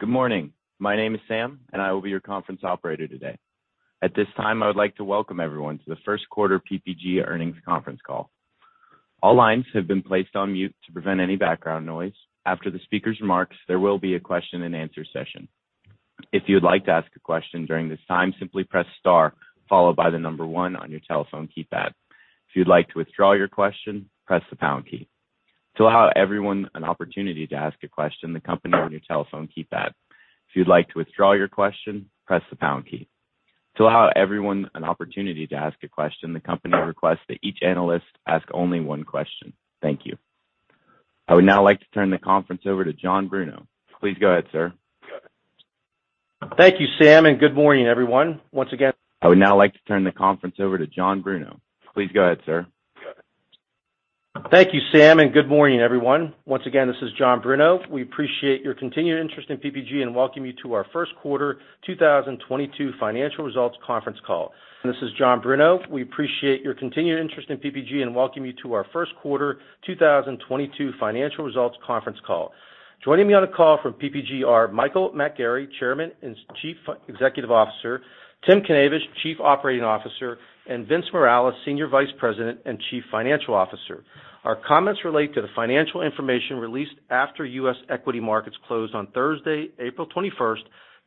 Good morning. My name is Sam, and I will be your conference operator today. At this time, I would like to welcome everyone to the first quarter PPG earnings conference call. All lines have been placed on mute to prevent any background noise. After the speaker's remarks, there will be a question and answer session. If you'd like to ask a question during this time, simply press star followed by the number one on your telephone keypad. If you'd like to withdraw your question, press the pound key. To allow everyone an opportunity to ask a question, the company requests that each analyst ask only one question. Thank you. I would now like to turn the conference over to John Bruno. Please go ahead, sir. Thank you, Sam, and good morning, everyone. Once again, this is John Bruno. We appreciate your continued interest in PPG and welcome you to our Q1 2022 financial results conference call. Joining me on the call from PPG are Michael McGarry, Chairman and Chief Executive Officer, Tim Knavish, Chief Operating Officer, and Vince Morales, Senior Vice President and Chief Financial Officer. Our comments relate to the financial information released after U.S. equity markets closed on Thursday, April 21st,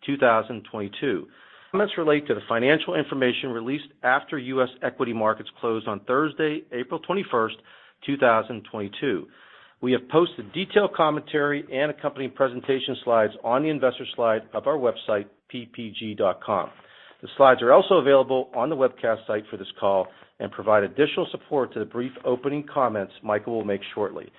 2022. We have posted detailed commentary and accompanying presentation slides on the investor site of our website, ppg.com. The slides are also available on the webcast site for this call and provide additional support to the brief opening comments Michael will make shortly.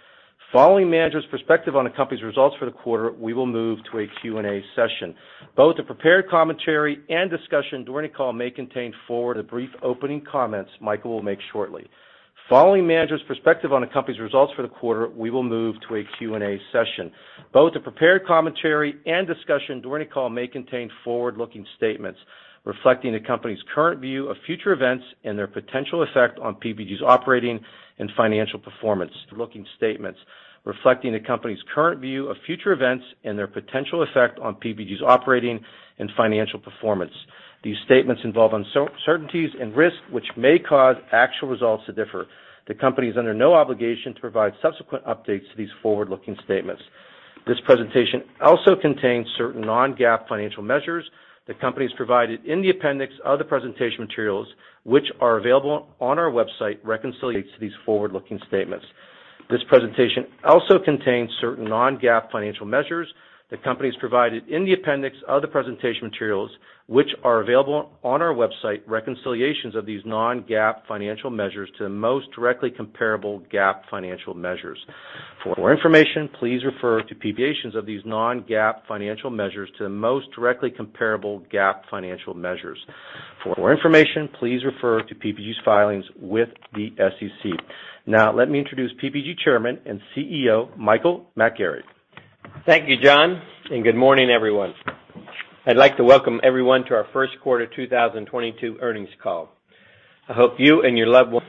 Following management's perspective on the company's results for the quarter, we will move to a Q&A session. Both the prepared commentary and discussion during the call may contain forward-looking statements reflecting the company's current view of future events and their potential effect on PPG's operating and financial performance. These statements involve uncertainties and risks which may cause actual results to differ. The company is under no obligation to provide subsequent updates to these forward-looking statements. This presentation also contains certain non-GAAP financial measures that the company has provided in the appendix of the presentation materials, which are available on our website, reconciliations of these non-GAAP financial measures to the most directly comparable GAAP financial measures. For more information, please refer to PPG's filings with the SEC. Now, let me introduce PPG Chairman and CEO, Michael McGarry. Thank you, John, and good morning, everyone. I'd like to welcome everyone to our first quarter 2022 earnings call. I hope you and your loved ones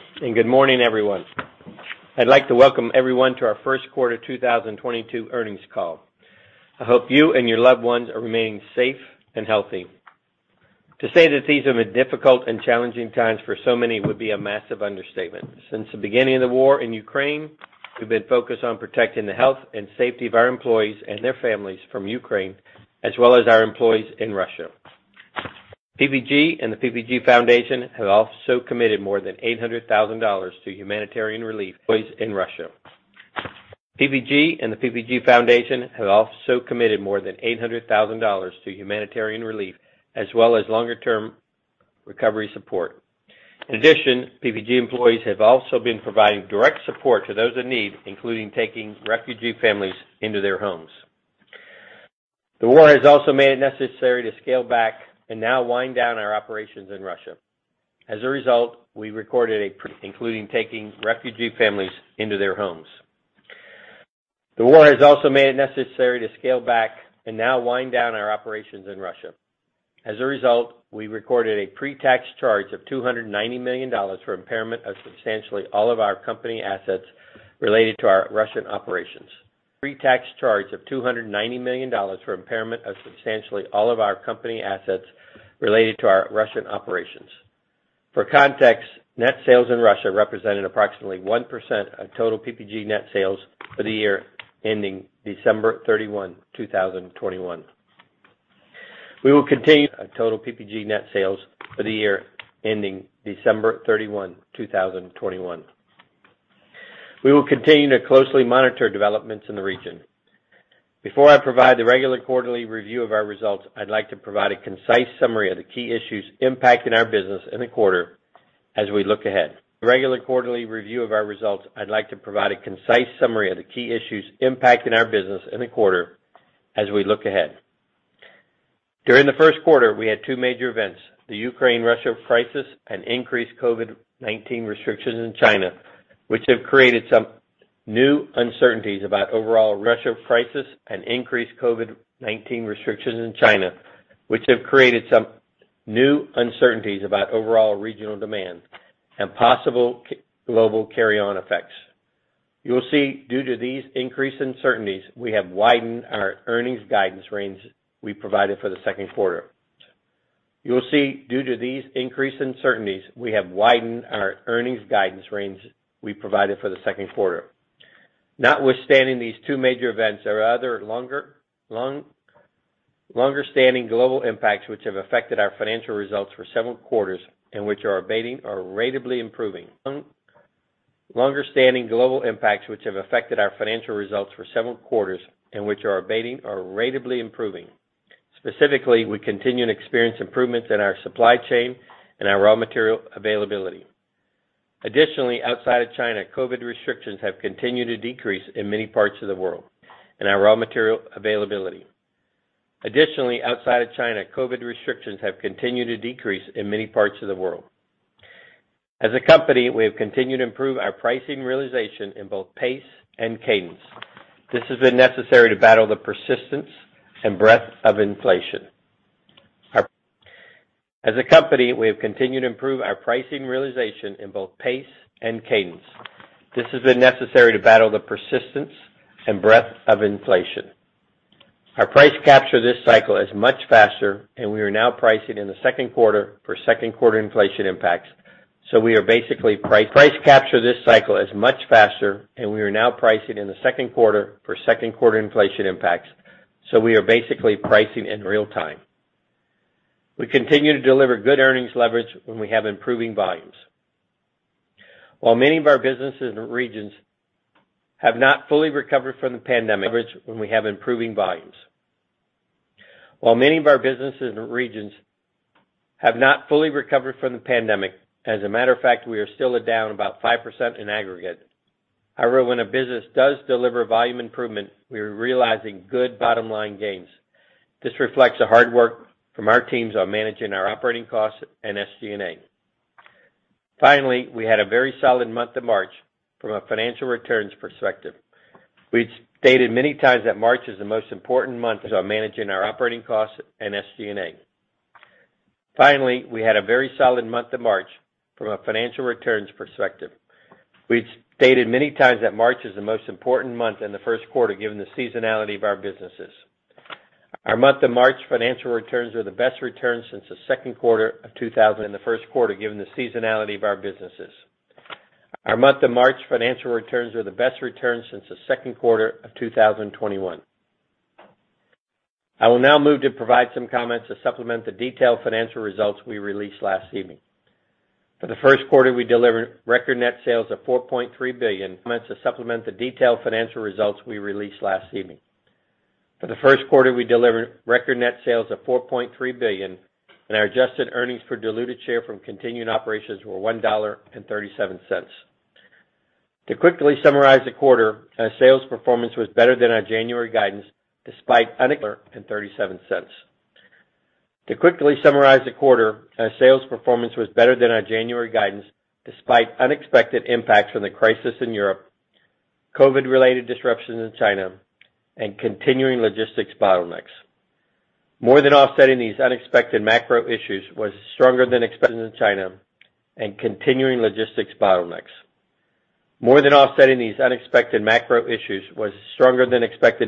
are remaining safe and healthy. To say that these have been difficult and challenging times for so many would be a massive understatement. Since the beginning of the war in Ukraine, we've been focused on protecting the health and safety of our employees and their families from Ukraine, as well as our employees in Russia. PPG and the PPG Foundation have also committed more than $800,000 to humanitarian relief, as well as longer term recovery support. In addition, PPG employees have also been providing direct support to those in need, including taking refugee families into their homes. The war has also made it necessary to scale back and now wind down our operations in Russia. As a result, we recorded a pre-tax charge of $290 million for impairment of substantially all of our company assets related to our Russian operations. For context, net sales in Russia represented approximately 1% of total PPG net sales for the year ending December 31st, 2021. We will continue to closely monitor developments in the region. Before I provide the regular quarterly review of our results, I'd like to provide a concise summary of the key issues impacting our business in the quarter as we look ahead. During the first quarter, we had two major events, the Ukraine-Russia crisis and increased COVID-19 restrictions in China, which have created some new uncertainties about overall regional demand and possible global carry-on effects. You will see, due to these increased uncertainties, we have widened our earnings guidance range we provided for the second quarter. Notwithstanding these two major events, there are other longer-standing global impacts which have affected our financial results for several quarters, and which are abating or ratably improving. Specifically, we continue to experience improvements in our supply chain and our raw material availability. Additionally, outside of China, COVID restrictions have continued to decrease in many parts of the world. As a company, we have continued to improve our pricing realization in both pace and cadence. This has been necessary to battle the persistence and breadth of inflation. Our price capture this cycle is much faster, and we are now pricing in the second quarter for second quarter inflation impacts, so we are basically pricing in real time. We continue to deliver good earnings leverage when we have improving volumes. While many of our businesses and regions have not fully recovered from the pandemic, as a matter of fact, we are still down about 5% in aggregate. However, when a business does deliver volume improvement, we are realizing good bottom line gains. This reflects the hard work from our teams on managing our operating costs and SG&A. Finally, we had a very solid month of March from a financial returns perspective. We've stated many times that March is the most important month in the first quarter, given the seasonality of our businesses. Our month of March financial returns were the best returns since the second quarter of 2021. I will now move to provide some comments to supplement the detailed financial results we released last evening. Comments to supplement the detailed financial results we released last evening. For the first quarter, we delivered record net sales of $4.3 billion, and our adjusted earnings per diluted share from continuing operations were $1.37. To quickly summarize the quarter, our sales performance was better than our January guidance, despite unexpected impacts from the crisis in Europe, COVID-related disruptions in China, and continuing logistics bottlenecks. More than offsetting these unexpected macro issues was stronger than expected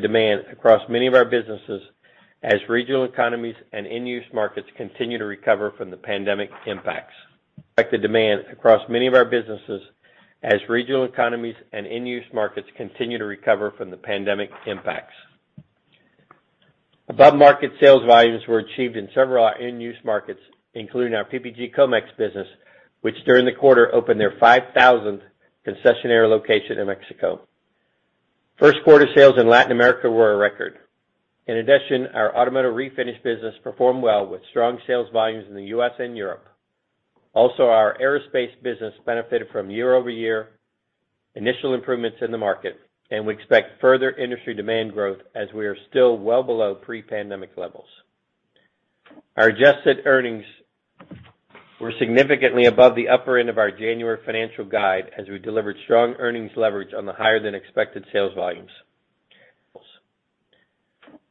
demand across many of our businesses as regional economies and end-use markets continue to recover from the pandemic impacts. Above-market sales volumes were achieved in several of our end-use markets, including our PPG Comex business, which during the quarter opened their 5,000th concessionary location in Mexico. First quarter sales in Latin America were a record. In addition, our automotive refinish business performed well with strong sales volumes in the U.S. and Europe. Also, our aerospace business benefited from year-over-year initial improvements in the market, and we expect further industry demand growth as we are still well below pre-pandemic levels.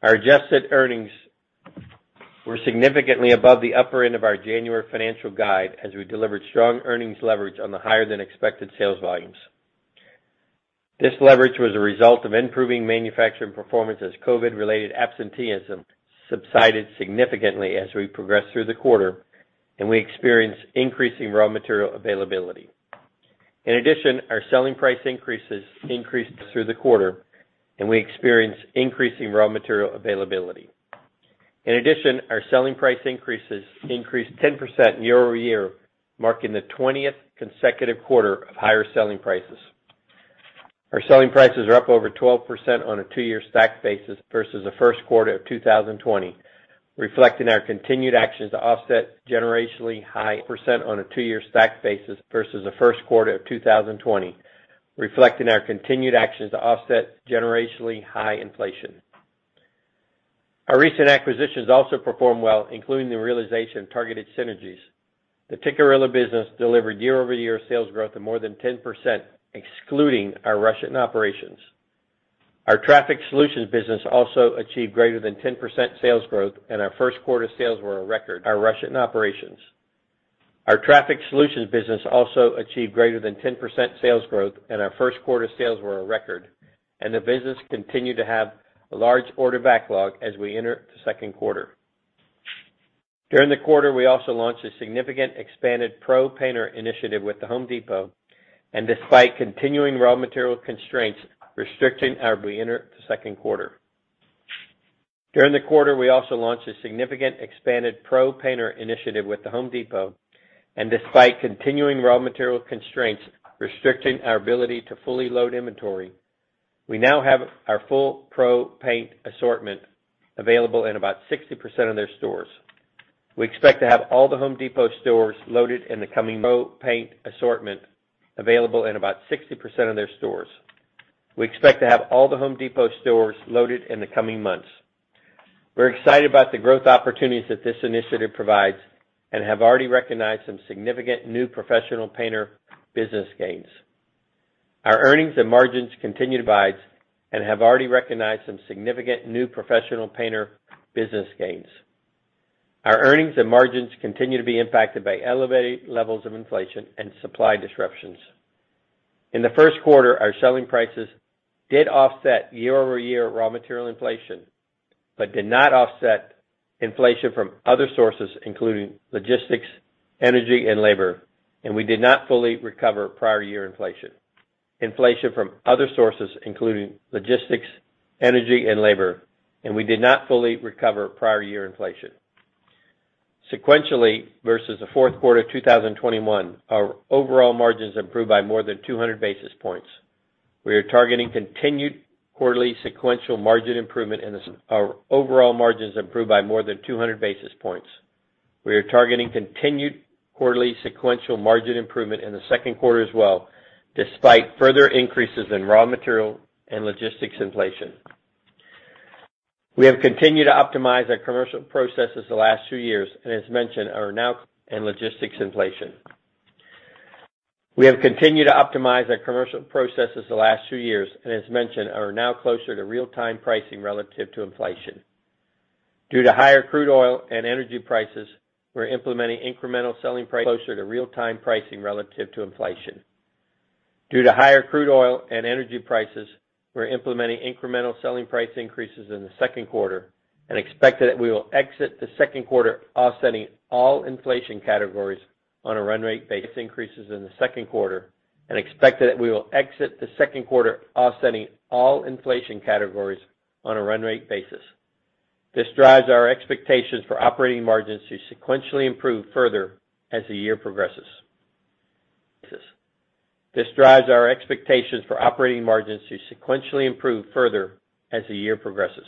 Our adjusted earnings were significantly above the upper end of our January financial guide as we delivered strong earnings leverage on the higher than expected sales volumes. This leverage was a result of improving manufacturing performance as COVID-19-related absenteeism subsided significantly as we progressed through the quarter, and we experienced increasing raw material availability. In addition, our selling price increases increased through the quarter. In addition, our selling price increases increased 10% year-over-year, marking the 20th consecutive quarter of higher selling prices. Our selling prices are up over 12% on a two-year stacked basis versus the first quarter of 2020, reflecting our continued actions to offset generationally high inflation. Our recent acquisitions also performed well, including the realization of targeted synergies. The Tikkurila business delivered year-over-year sales growth of more than 10%, excluding our Russian operations. Our Traffic Solutions business also achieved greater than 10% sales growth, and our first quarter sales were a record, and the business continued to have a large order backlog as we enter the second quarter. During the quarter, we also launched a significantly expanded pro painter initiative with The Home Depot, and despite continuing raw material constraints restricting our ability to fully load inventory, we now have our full pro paint assortment available in about 60% of their stores. We expect to have all The Home Depot stores loaded in the coming months. We're excited about the growth opportunities that this initiative provides and have already recognized some significant new professional painter business gains. Our earnings and margins continue to be impacted by elevated levels of inflation and supply disruptions. In the first quarter, our selling prices did offset year-over-year raw material inflation, but did not offset inflation from other sources, including logistics, energy, and labor, and we did not fully recover prior year inflation. Sequentially versus the fourth quarter of 2021, our overall margins improved by more than 200 basis points. We are targeting continued quarterly sequential margin improvement in the second quarter as well, despite further increases in raw material and logistics inflation. We have continued to optimize our commercial processes the last two years, and as mentioned, are now closer to real-time pricing relative to inflation. Due to higher crude oil and energy prices, we're implementing incremental selling price increases in the second quarter and expect that we will exit the second quarter offsetting all inflation categories on a run rate basis. This drives our expectations for operating margins to sequentially improve further as the year progresses. This drives our expectations for operating margins to sequentially improve further as the year progresses.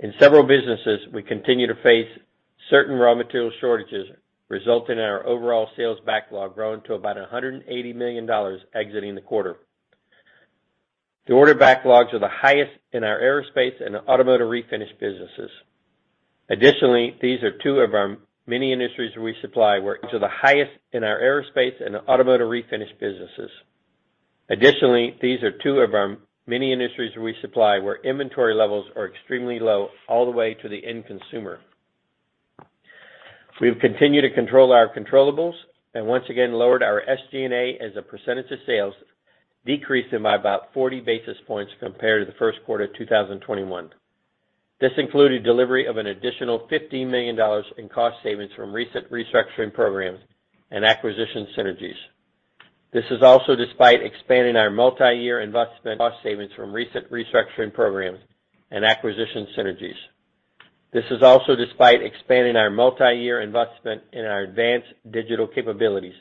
In several businesses, we continue to face certain raw material shortages, resulting in our overall sales backlog growing to about $180 million exiting the quarter. The order backlogs are the highest in our Aerospace and Automotive refinish businesses. Additionally, these are two of our many industries we supply where inventory levels are extremely low all the way to the end consumer. We've continued to control our controllables and once again lowered our SG&A as a percentage of sales, decreasing by about 40 basis points compared to the first quarter of 2021. This included delivery of an additional $15 million in cost savings from recent restructuring programs and acquisition synergies. This is also despite expanding our multi-year investment in our advanced digital capabilities,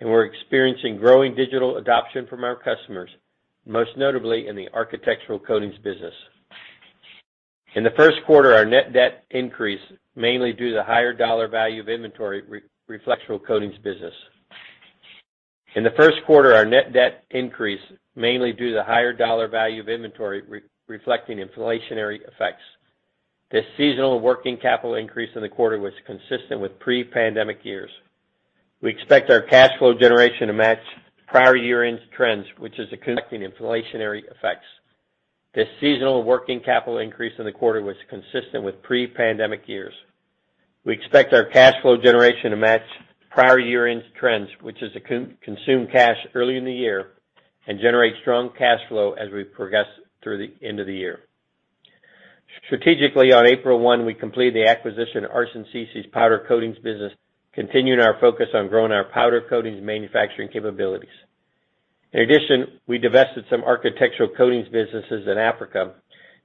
and we're experiencing growing digital adoption from our customers, most notably in the architectural coatings business. In the first quarter, our net debt increased mainly due to the higher dollar value of inventory reflecting inflationary effects. This seasonal working capital increase in the quarter was consistent with pre-pandemic years. We expect our cash flow generation to match prior year-end trends, accounting for inflationary effects. We expect our cash flow generation to match prior year-end trends, which is to consume cash early in the year and generate strong cash flow as we progress through the end of the year. Strategically, on April 1st, we completed the acquisition of Arsonsisi's powder coatings business, continuing our focus on growing our powder coatings manufacturing capabilities. In addition, we divested some Architectural Coatings businesses in Africa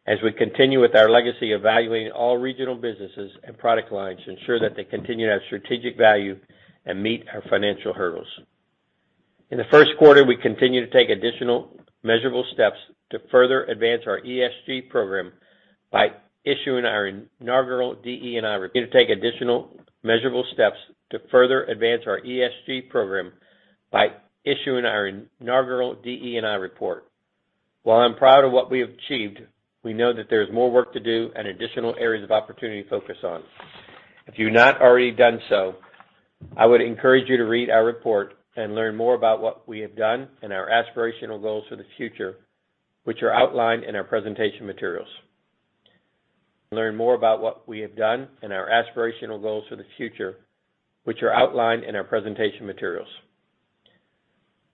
as we continue with our legacy evaluating all regional businesses and product lines to ensure that they continue to have strategic value and meet our financial hurdles. In the first quarter, we continued to take additional measurable steps to further advance our ESG program by issuing our inaugural DE&I report. While I'm proud of what we have achieved, we know that there is more work to do and additional areas of opportunity to focus on. If you've not already done so, I would encourage you to read our report and learn more about what we have done and our aspirational goals for the future, which are outlined in our presentation materials.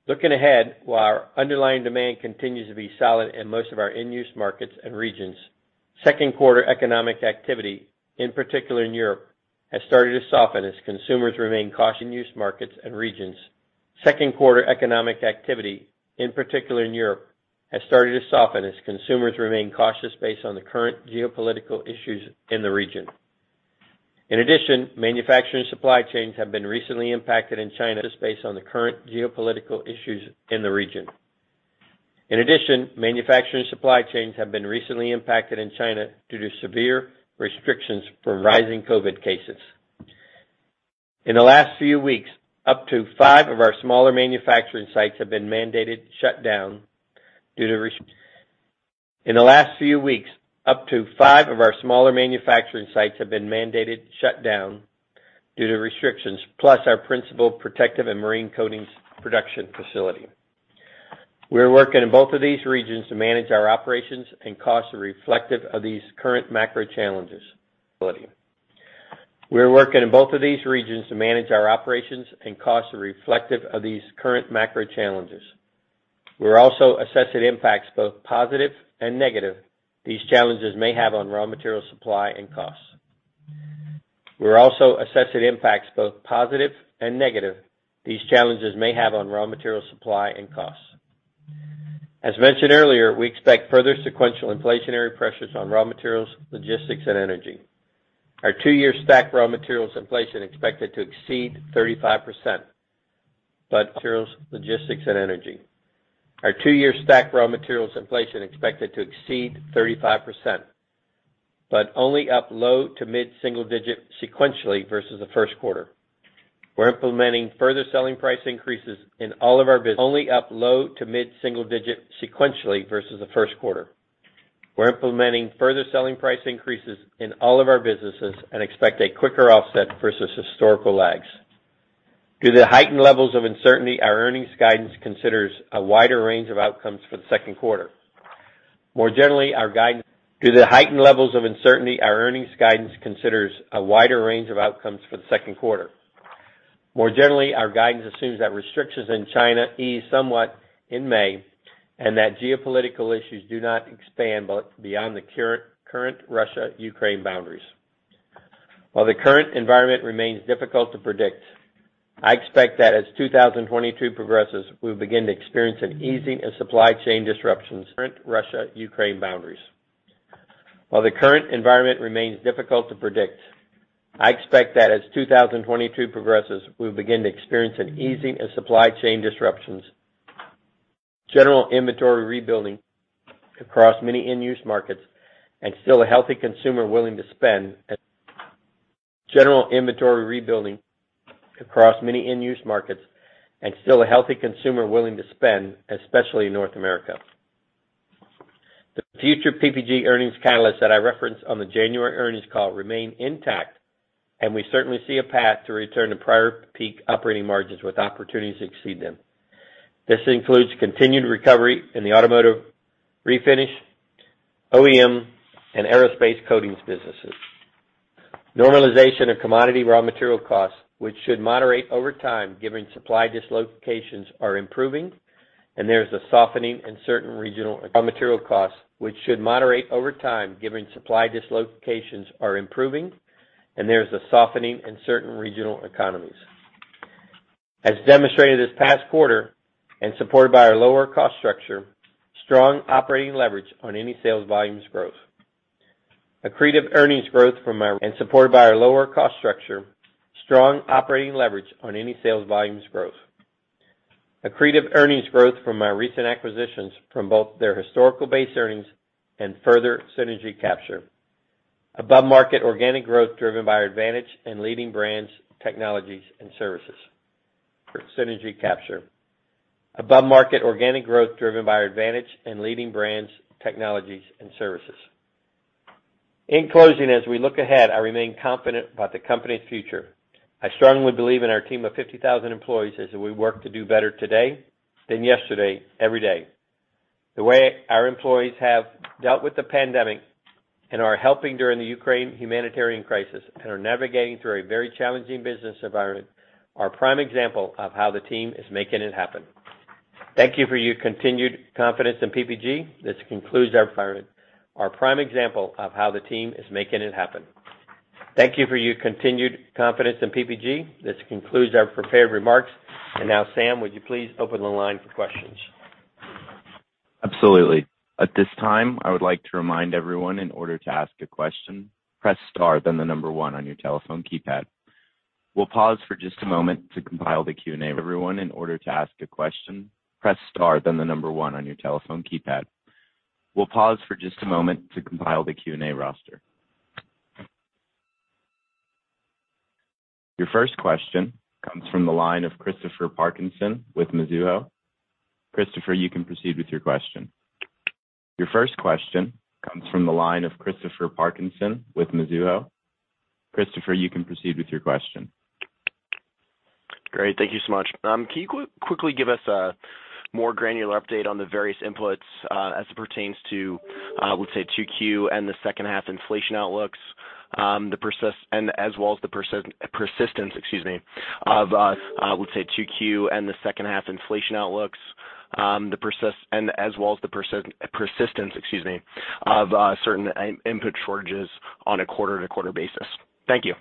Looking ahead, while our underlying demand continues to be solid in most of our end-use markets and regions, second quarter economic activity, in particular in Europe, has started to soften as consumers remain cautious based on the current geopolitical issues in the region. In addition, manufacturing supply chains have been recently impacted in China just based on the current geopolitical issues in the region. In addition, manufacturing supply chains have been recently impacted in China due to severe restrictions for rising COVID cases. In the last few weeks, up to five of our smaller manufacturing sites have been mandated to shut down due to restrictions, plus our principal protective and marine coatings production facility. We're working in both of these regions to manage our operations and costs are reflective of these current macro challenges. We're also assessing impacts, both positive and negative, these challenges may have on raw material supply and costs. As mentioned earlier, we expect further sequential inflationary pressures on raw materials, logistics, and energy. Our two-year stacked raw materials inflation expected to exceed 35%, but only up low to mid-single digit sequentially versus the first quarter. We're implementing further selling price increases in all of our businesses and expect a quicker offset versus historical lags. Due to the heightened levels of uncertainty, our earnings guidance considers a wider range of outcomes for the second quarter. More generally, our guidance assumes that restrictions in China ease somewhat in May, and that geopolitical issues do not expand beyond the current Russia, Ukraine boundaries. While the current environment remains difficult to predict, I expect that as 2022 progresses, we'll begin to experience an easing of supply chain disruptions. General inventory rebuilding across many end-use markets, and still a healthy consumer willing to spend, especially in North America. The future PPG earnings catalysts that I referenced on the January earnings call remain intact, and we certainly see a path to return to prior peak operating margins with opportunities to exceed them. This includes continued recovery in the automotive refinish, OEM, and Aerospace Coatings businesses. Normalization of commodity raw material costs, which should moderate over time given supply dislocations are improving, and there is a softening in certain regional economies. As demonstrated this past quarter and supported by our lower cost structure, strong operating leverage on any sales volumes growth. Accretive earnings growth from our recent acquisitions, both their historical base earnings and further synergy capture. Above market organic growth driven by our advantage and leading brands, technologies, and services. In closing, as we look ahead, I remain confident about the company's future. I strongly believe in our team of 50,000 employees as we work to do better today than yesterday, every day. The way our employees have dealt with the pandemic and are helping during the Ukraine humanitarian crisis and are navigating through a very challenging business environment are a prime example of how the team is making it happen. Thank you for your continued confidence in PPG. This concludes our prepared remarks. Now, Sam, would you please open the line for questions? Absolutely. At this time, I would like to remind everyone in order to ask a question, press star then the number one on your telephone keypad. We'll pause for just a moment to compile the Q&A roster. Your first question comes from the line of Christopher Parkinson with Mizuho. Christopher, you can proceed with your question. Great. Thank you so much. Can you quickly give us a more granular update on the various inputs as it pertains to, I would say, 2Q and the second half inflation outlooks and as well as the persistence, excuse me, of certain input shortages on a quarter-to-quarter basis. Thank you.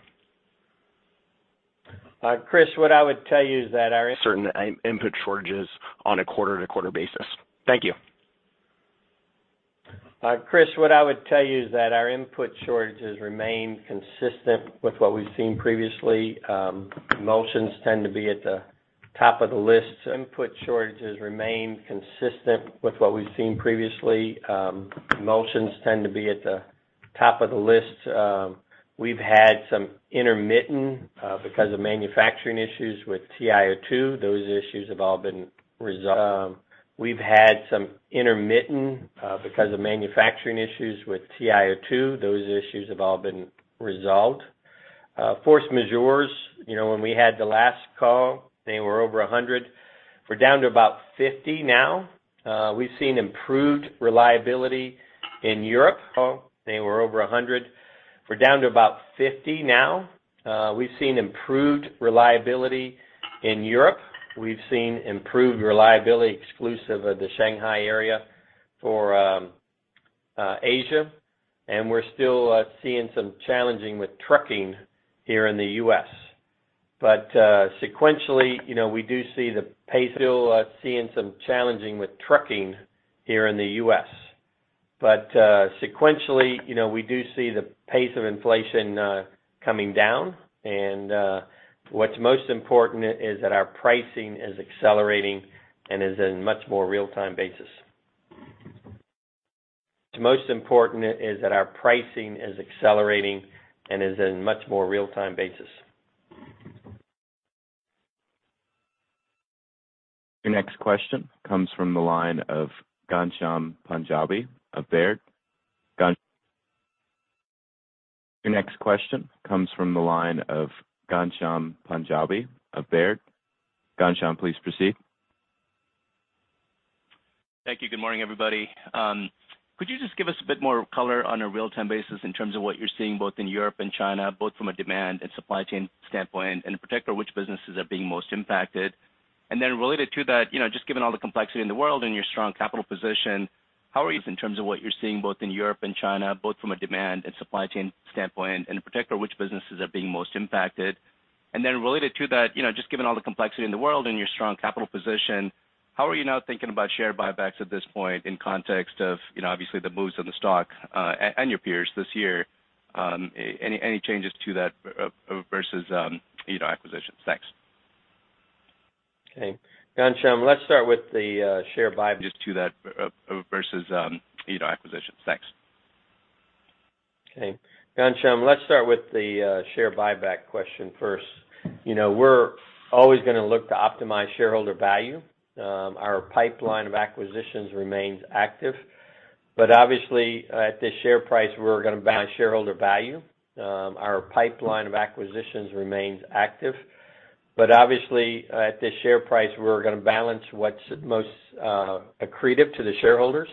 Chris, what I would tell you is that our input shortages remain consistent with what we've seen previously. Emulsions tend to be at the top of the list. We've had some intermittent because of manufacturing issues with TiO2. Those issues have all been resolved. Force majeures, you know, when we had the last call, they were over 100. We're down to about 50 now. We've seen improved reliability in Europe. We've seen improved reliability exclusive of the Shanghai area for Asia. We're still seeing some challenges with trucking here in the U.S. Sequentially, you know, we do see the pace of inflation coming down. What's most important is that our pricing is accelerating and is on a much more real-time basis. Your next question comes from the line of Ghansham Panjabi of Baird. Ghansham, please proceed. Thank you. Good morning, everybody. Could you just give us a bit more color on a real-time basis in terms of what you're seeing both in Europe and China, both from a demand and supply chain standpoint, and in particular, which businesses are being most impacted? Related to that, you know, just given all the complexity in the world and your strong capital position, how are you now thinking about share buybacks at this point in context of, you know, obviously the boost of the stock and your peers this year? Any changes to that versus, you know, acquisitions? Thanks. Okay. Ghansham, let's start with the share buyback question first. You know, we're always gonna look to optimize shareholder value. Our pipeline of acquisitions remains active. Obviously, at this share price, we're gonna balance what's most accretive to the shareholders.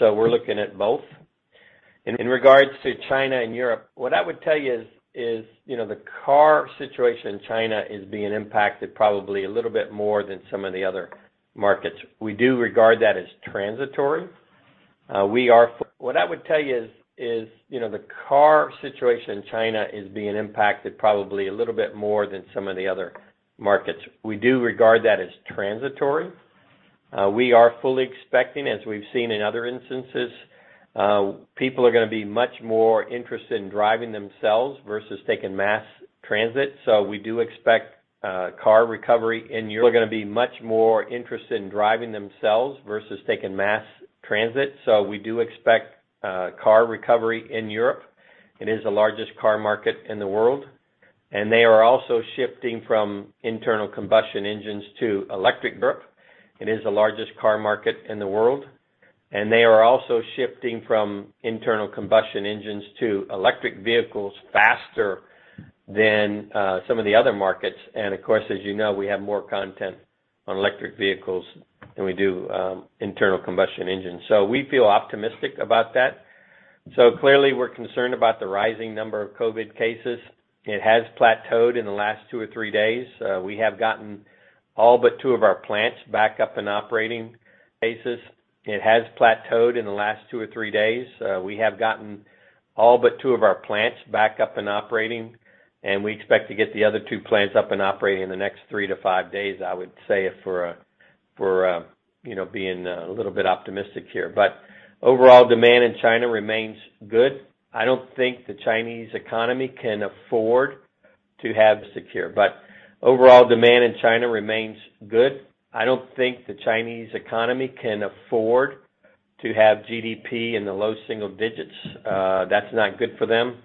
We're looking at both. In regards to China and Europe, what I would tell you is, you know, the car situation in China is being impacted probably a little bit more than some of the other markets. We do regard that as transitory. We are fully expecting, as we've seen in other instances, people are gonna be much more interested in driving themselves versus taking mass transit. We do expect car recovery in Europe. It is the largest car market in the world. They are also shifting from internal combustion engines to electric vehicles faster than some of the other markets. Of course, as you know, we have more content on electric vehicles than we do internal combustion engines. We feel optimistic about that. Clearly, we're concerned about the rising number of COVID-19 cases. Cases have plateaued in the last two or three days. We have gotten all but two of our plants back up and operating. We expect to get the other two plants up and operating in the next three to five days, I would say, you know, being a little bit optimistic here. Overall demand in China remains good. I don't think the Chinese economy can afford to have GDP in the low single digits. That's not good for them.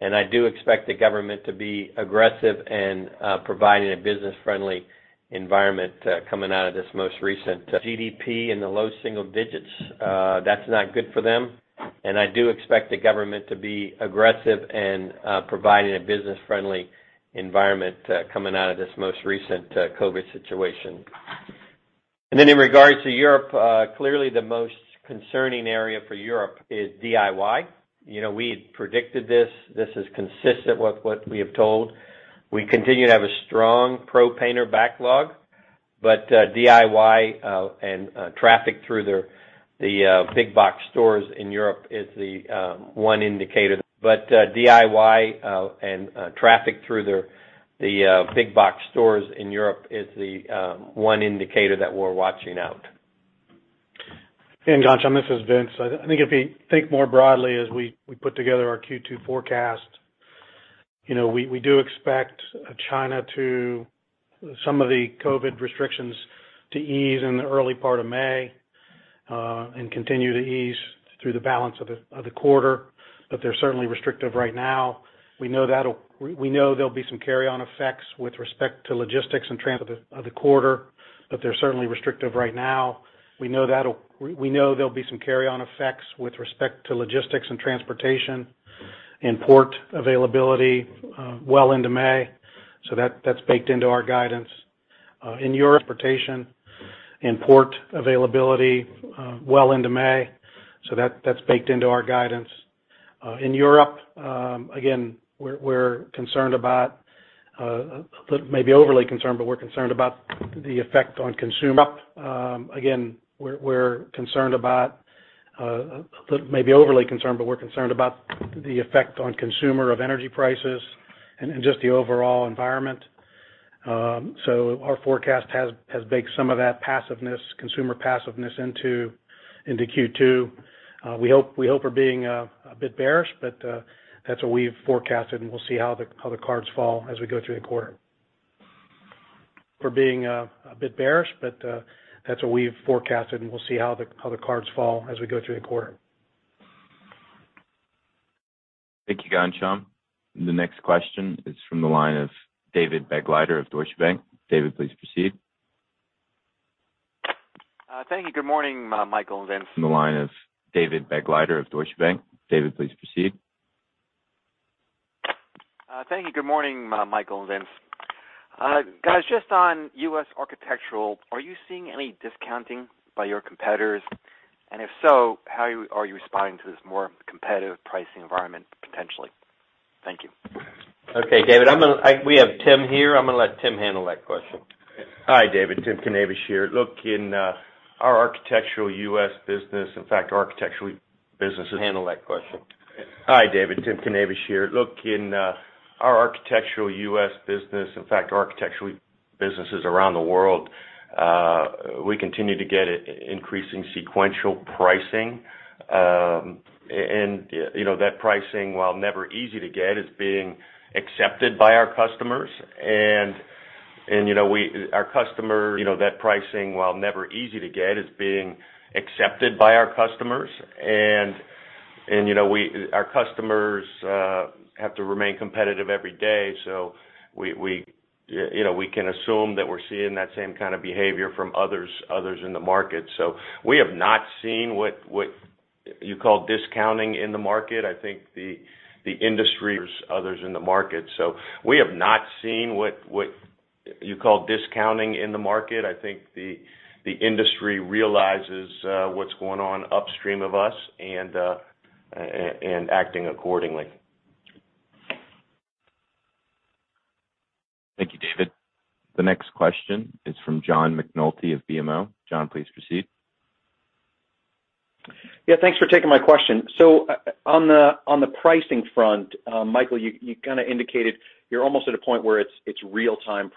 I do expect the government to be aggressive in providing a business-friendly environment coming out of this most recent GDP in the low single digits. That's not good for them. I do expect the government to be aggressive in providing a business-friendly environment coming out of this most recent COVID situation. Then in regards to Europe, clearly the most concerning area for Europe is DIY. You know, we had predicted this. This is consistent with what we have told. We continue to have a strong pro painter backlog, but DIY and traffic through the big box stores in Europe is the one indicator that we're watching out. Ghansham, this is Vince. I think if we think more broadly as we put together our Q2 forecast, you know, we do expect some of the COVID restrictions to ease in the early part of May and continue to ease through the balance of the quarter. But they're certainly restrictive right now. We know there'll be some carry-on effects with respect to logistics and transportation and port availability well into May. So that's baked into our guidance. In Europe, transportation and port availability well into May. So that's baked into our guidance. In Europe, again, we're concerned about maybe overly concerned, but we're concerned about the effect on consumer. Again, we're concerned about maybe overly concerned, but we're concerned about the effect on consumer of energy prices and just the overall environment. Our forecast has baked some of that pessimism, consumer pessimism into Q2. We hope we're being a bit bearish, but that's what we've forecasted, and we'll see how the cards fall as we go through the quarter. Thank you, Ghansham. The next question is from the line of David Begleiter of Deutsche Bank. David, please proceed. Thank you. Good morning, Michael and Vince. Guys, just on U.S. Architectural, are you seeing any discounting by your competitors? If so, how are you responding to this more competitive pricing environment potentially? Thank you. Okay, David, we have Tim here. I'm gonna let Tim handle that question. Hi, David. Tim Knavish here. Look, in our Architectural U.S. business, in fact, Architectural businesses around the world, we continue to get increasing sequential pricing. You know, that pricing, while never easy to get, is being accepted by our customers. You know, our customers have to remain competitive every day. So, you know, we can assume that we're seeing that same kind of behavior from others in the market. So we have not seen what you call discounting in the market. I think the industry realizes what's going on upstream of us and acting accordingly. Thank you, David. The next question is from John McNulty of BMO. John, please proceed. Yeah, thanks for taking my question. On the pricing front, Michael, you kind of indicated you're almost at a point where it's real-time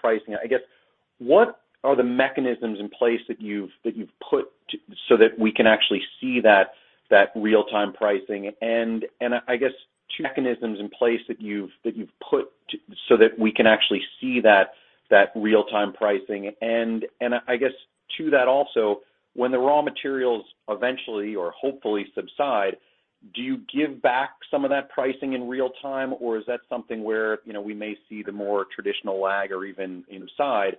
pricing. I guess, what are the mechanisms in place that you've put so that we can actually see that real-time pricing? I guess to that also, when the raw materials eventually or hopefully subside, do you give back some of that pricing in real time, or is that something where, you know, we may see the more traditional lag or even, you know, side.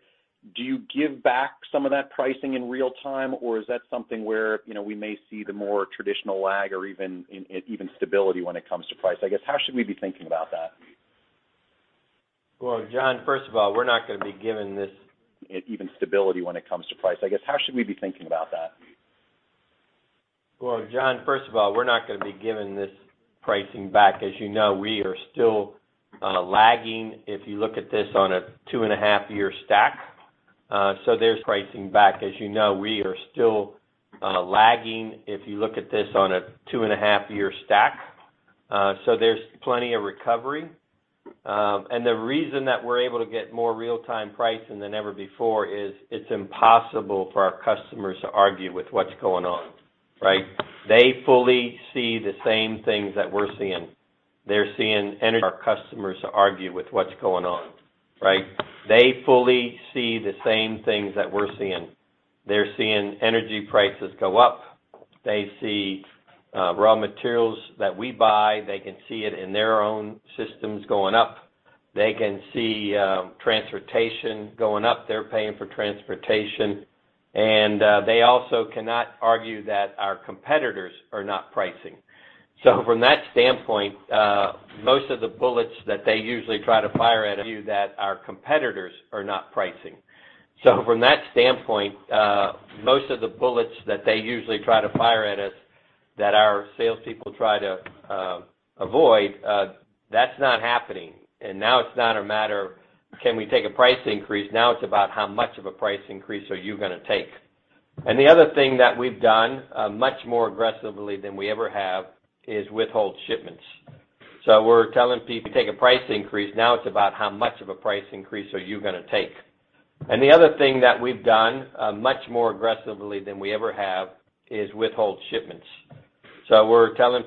Do you give back some of that pricing in real time, or is that something where, you know, we may see the more traditional lag or even stability when it comes to price? I guess, how should we be thinking about that? Well, John, first of all, we're not gonna be giving this pricing back. As you know, we are still lagging if you look at this on a 2.5-year stack. So there's plenty of recovery. And the reason that we're able to get more real-time pricing than ever before is it's impossible for our customers to argue with what's going on, right? They fully see the same things that we're seeing. They're seeing energy prices go up. They see raw materials that we buy, they can see it in their own systems going up. They can see transportation going up, they're paying for transportation. They also cannot argue that our competitors are not pricing. From that standpoint, most of the bullets that they usually try to fire at us that our salespeople try to avoid, that's not happening. Now it's not a matter of can we take a price increase? Now it's about how much of a price increase are you gonna take? The other thing that we've done, much more aggressively than we ever have, is withhold shipments. We're telling people, take a price increase. We're telling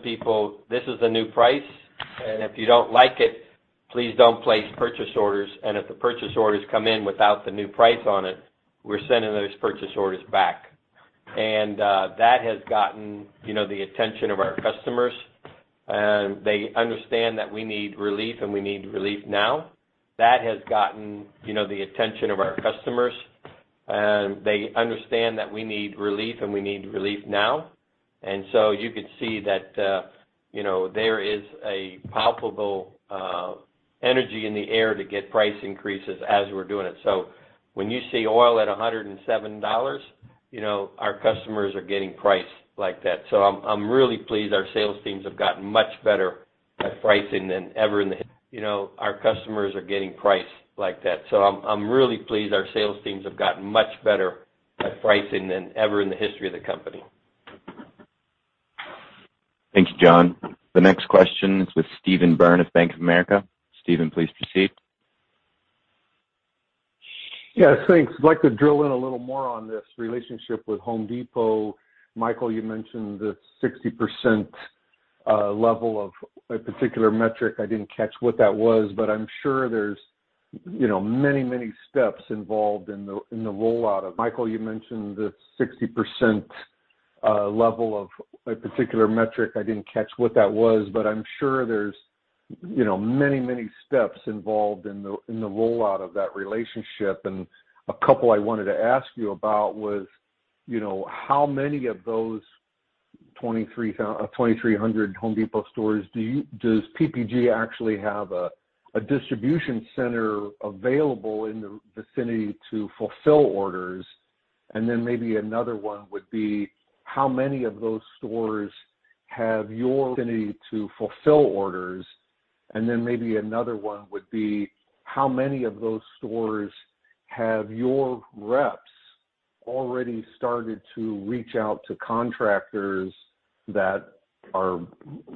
people, this is the new price, and if you don't like it, please don't place purchase orders. If the purchase orders come in without the new price on it, we're sending those purchase orders back. That has gotten, you know, the attention of our customers, and they understand that we need relief, and we need relief now. You could see that, you know, there is a palpable energy in the air to get price increases as we're doing it. When you see oil at $107, you know our customers are getting priced like that. I'm really pleased our sales teams have gotten much better at pricing than ever in the history of the company. Thanks, John. The next question is with Steve Byrne of Bank of America. Steve, please proceed. Yes, thanks. I'd like to drill in a little more on this relationship with Home Depot. Michael, you mentioned the 60% level of a particular metric. I didn't catch what that was, but I'm sure there's, you know, many, many steps involved in the rollout of that relationship. A couple I wanted to ask you about was, you know, how many of those 2,300 Home Depot stores does PPG actually have a distribution center available in the vicinity to fulfill orders? Then maybe another one would be: How many of those stores have a facility to fulfill orders? Maybe another one would be: How many of those stores have your reps already started to reach out to contractors that are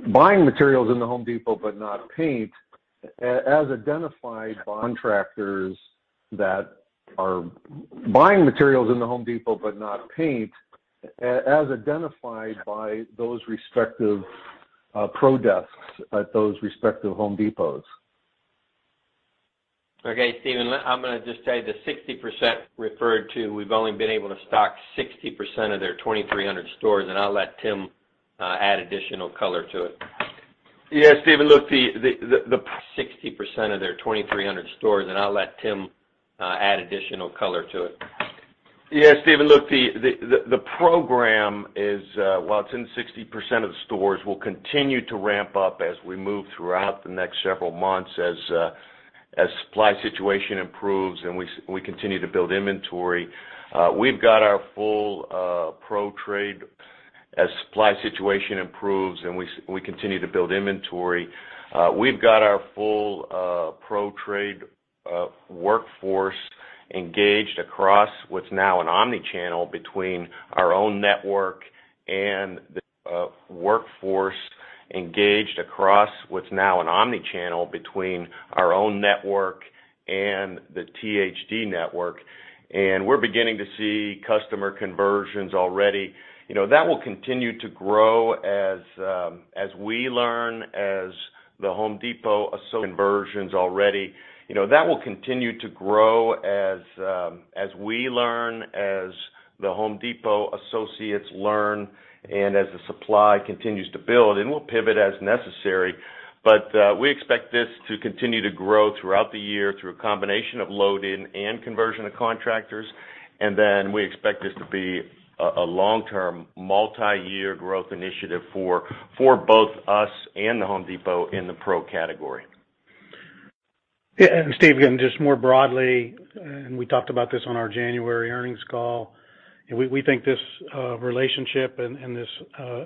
buying materials in The Home Depot, but not paint, as identified by those respective pro desks at those respective Home Depots? Okay, Steve, I'm gonna just tell you the 60% referred to, we've only been able to stock 60% of their 2,300 stores, and I'll let Tim add additional color to it. Steve, look, the program is while it's in 60% of the stores, will continue to ramp up as we move throughout the next several months as supply situation improves and we continue to build inventory. We've got our full pro trade workforce engaged across what's now an omni-channel between our own network and the THD network. We're beginning to see customer conversions already. You know, that will continue to grow as we learn, as The Home Depot associates learn, and as the supply continues to build, and we'll pivot as necessary. We expect this to continue to grow throughout the year through a combination of load in and conversion of contractors. We expect this to be a long-term multi-year growth initiative for both us and The Home Depot in the pro category. Yeah. Steve, again, just more broadly, we talked about this on our January earnings call. We think this relationship and this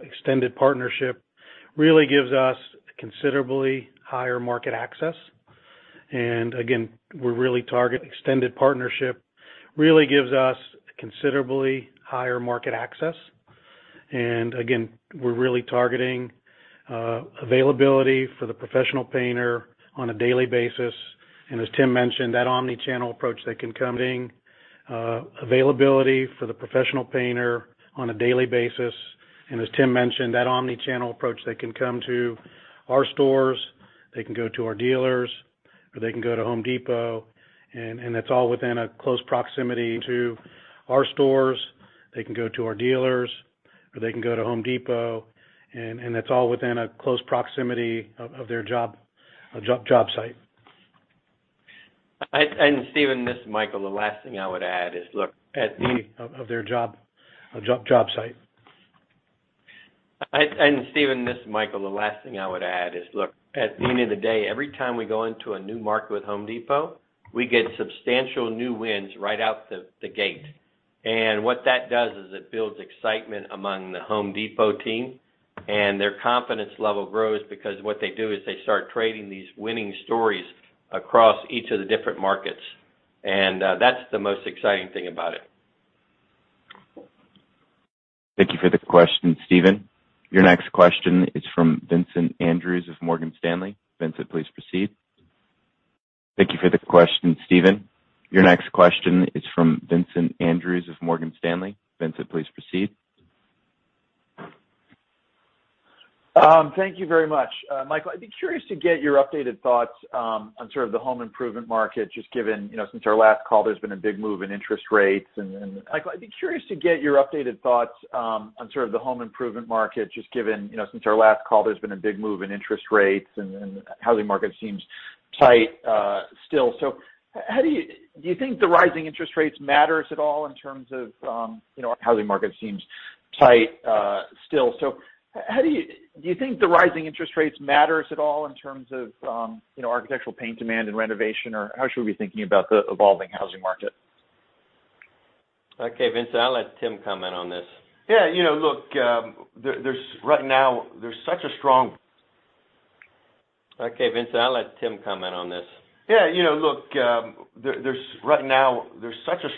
extended partnership really gives us considerably higher market access. Again, we're really targeting availability for the professional painter on a daily basis. As Tim mentioned, that omni-channel approach, they can come to our stores, they can go to our dealers, or they can go to Home Depot, and that's all within a close proximity of their job site. Hi, and Steve, this is Michael. The last thing I would add is, look, at the end of the day, every time we go into a new market with Home Depot, we get substantial new wins right out the gate. What that does is it builds excitement among the Home Depot team, and their confidence level grows because what they do is they start trading these winning stories across each of the different markets. That's the most exciting thing about it. Thank you for the question, Steve. Your next question is from Vincent Andrews of Morgan Stanley. Vincent, please proceed. Thank you very much. Michael, I'd be curious to get your updated thoughts on sort of the home improvement market, just given, you know, since our last call, there's been a big move in interest rates and the housing market seems tight, still. How do you think the rising interest rates matters at all in terms of, you know, architectural paint demand and renovation? Or how should we be thinking about the evolving housing market? Okay, Vincent, I'll let Tim comment on this. Yeah. You know, look, there, right now, there's such a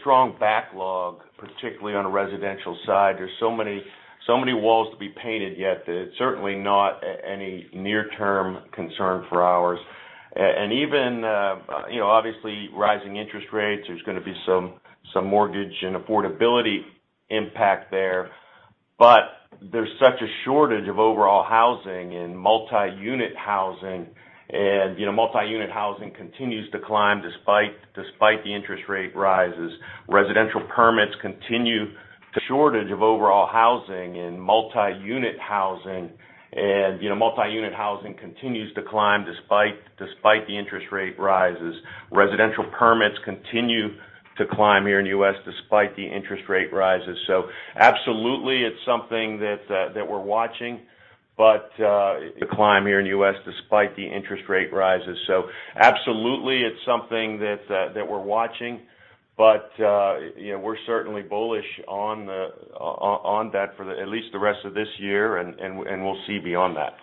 strong backlog, particularly on the residential side. There's so many walls to be painted yet that it's certainly not any near-term concern for ours. Even, you know, obviously, rising interest rates, there's gonna be some mortgage and affordability impact there. There's such a shortage of overall housing and multi-unit housing. You know, multi-unit housing continues to climb despite the interest rate rises. Residential permits continue to climb here in U.S. despite the interest rate rises. Absolutely, it's something that we're watching, but you know, we're certainly bullish on that for at least the rest of this year, and we'll see beyond that.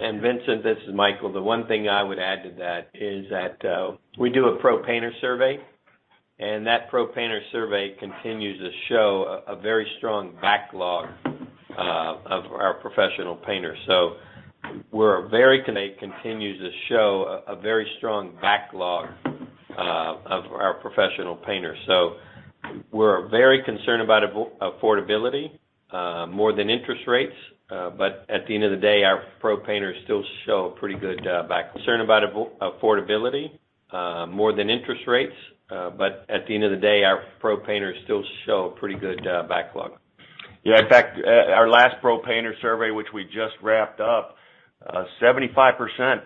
Vincent, this is Michael. The one thing I would add to that is that we do a pro painter survey, and that pro painter survey continues to show a very strong backlog of our professional painters. We're very concerned about affordability more than interest rates. At the end of the day, our pro painters still show a pretty good backlog. In fact, our last pro painter survey, which we just wrapped up, 75%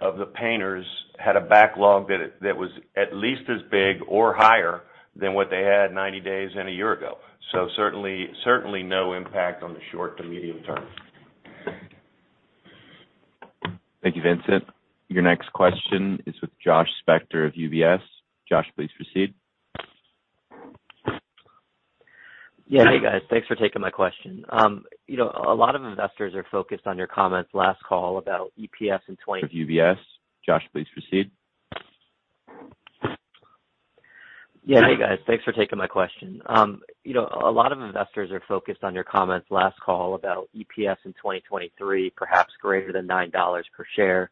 of the painters had a backlog that was at least as big or higher than what they had 90 days and a year ago. Certainly no impact on the short to medium term. Thank you, Vincent. Your next question is with Josh Spector of UBS. Josh, please proceed. Yeah. Hi, guys. Thanks for taking my question. You know, a lot of investors are focused on your comments last call about EPS in 2023, perhaps greater than $9 per share.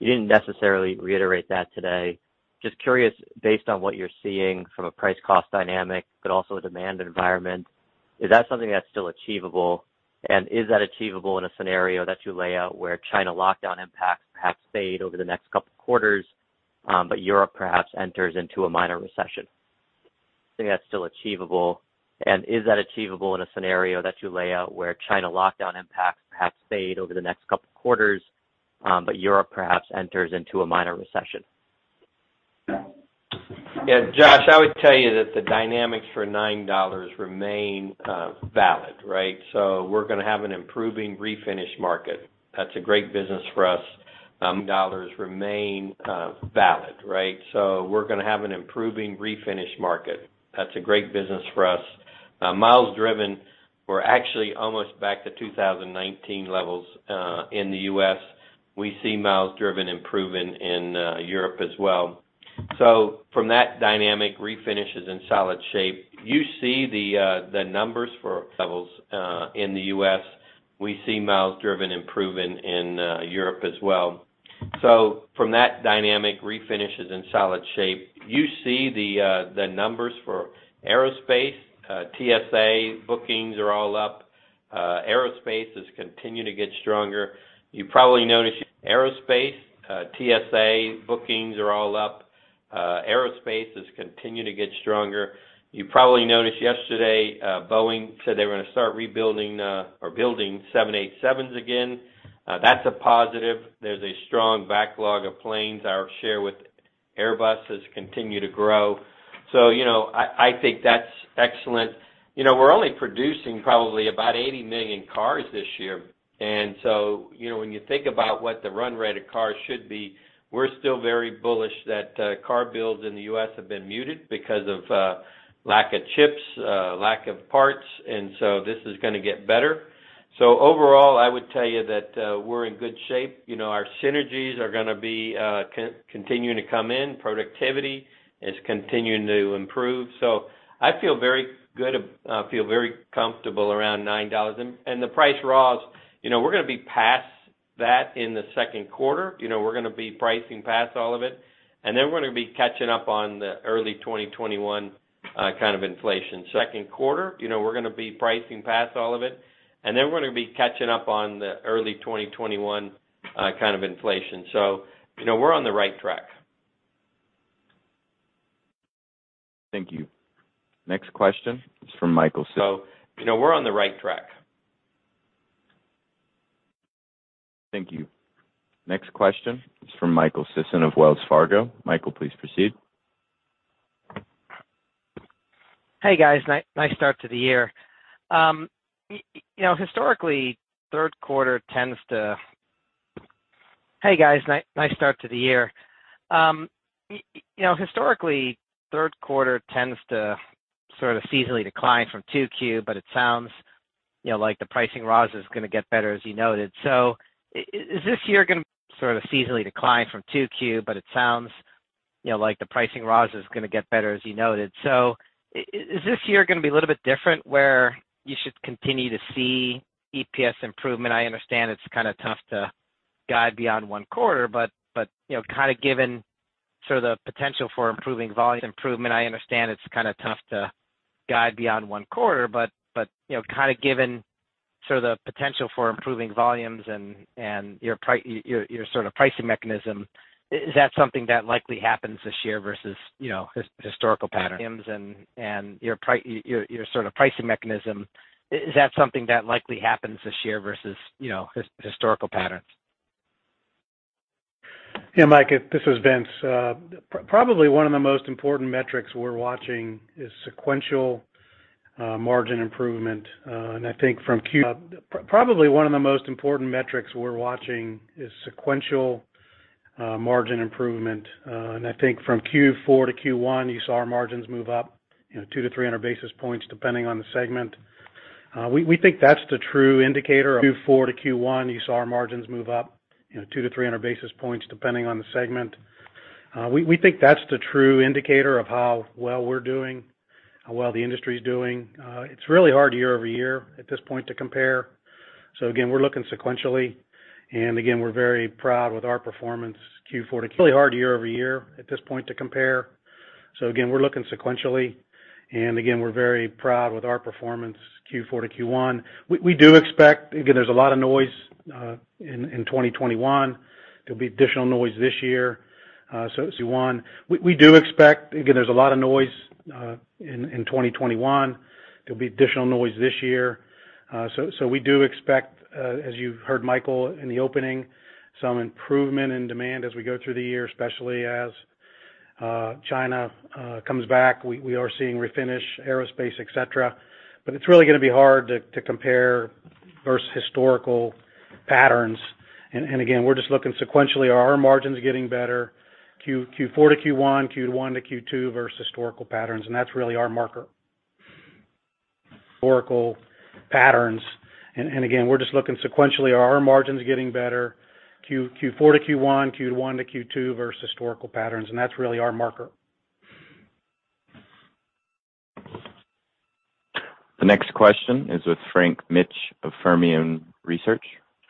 You didn't necessarily reiterate that today. Just curious, based on what you're seeing from a price cost dynamic, but also a demand environment, is that something that's still achievable? And is that achievable in a scenario that you lay out where China lockdown impacts perhaps fade over the next couple quarters, but Europe perhaps enters into a minor recession? Yeah, Josh, I would tell you that the dynamics for $9 remain valid, right? We're gonna have an improving refinish market. That's a great business for us. Miles driven, we're actually almost back to 2019 levels in the U.S. We see miles driven improving in Europe as well. From that dynamic, Refinish is in solid shape. You see the numbers for EVs in the U.S.. You see the numbers for Aerospace. TSA bookings are all up. Aerospace has continued to get stronger. You probably noticed yesterday, Boeing said, they were going to start rebuilding, or building 787s again. That's a positive. There's a strong backlog of planes. Our share with Airbus has continued to grow. You know, I think that's excellent. You know, we're only producing probably about 80 million cars this year. You know, when you think about what the run rate of cars should be, we're still very bullish that car builds in the U.S. have been muted because of lack of chips, lack of parts, and so this is gonna get better. Overall, I would tell you that we're in good shape. You know, our synergies are going to be continuing to come in. Productivity is continuing to improve. I feel very good, feel very comfortable around $9. And the price raws, you know, we're gonna be past that in the second quarter. You know, we're gonna be pricing past all of it, and then we're gonna be catching up on the early 2021 kind of inflation second quarter. You know, we're on the right track. Thank you. Next question is from Michael Sison of Wells Fargo. Michael, please proceed. Hey, guys. Nice start to the year. You know, historically, third quarter tends to sort of seasonally decline from 2Q, but it sounds, you know, like the pricing raws is going to get better as you noted. Is this year going to be a little bit different where you should continue to see EPS improvement? I understand it's kind of tough to guide beyond one quarter, but you know, kind of given sort of the potential for improving volumes and your sort of pricing mechanism, is that something that likely happens this year versus, you know, historical patterns? Yeah, Mike, this is Vince. Probably one of the most important metrics we're watching is sequential margin improvement. I think from Q4 to Q1, you saw our margins move up, you know, 200-300 basis points, depending on the segment. We think that's the true indicator of how well we're doing, how well the industry is doing. It's really hard year-over-year at this point to compare. Again, we're looking sequentially. We're very proud with our performance Q4 to Q1. We do expect, again, there's a lot of noise in 2021. There'll be additional noise this year. We do expect, as you've heard Michael in the opening, some improvement in demand as we go through the year, especially as China comes back. We are seeing Refinish, Aerospace, etc. It's really gonna be hard to compare versus historical patterns. We're just looking sequentially, are our margins getting better? Q4-Q1, Q1-Q2 versus historical patterns, and that's really our marker. The next question is with Frank Mitsch of Fermium Research.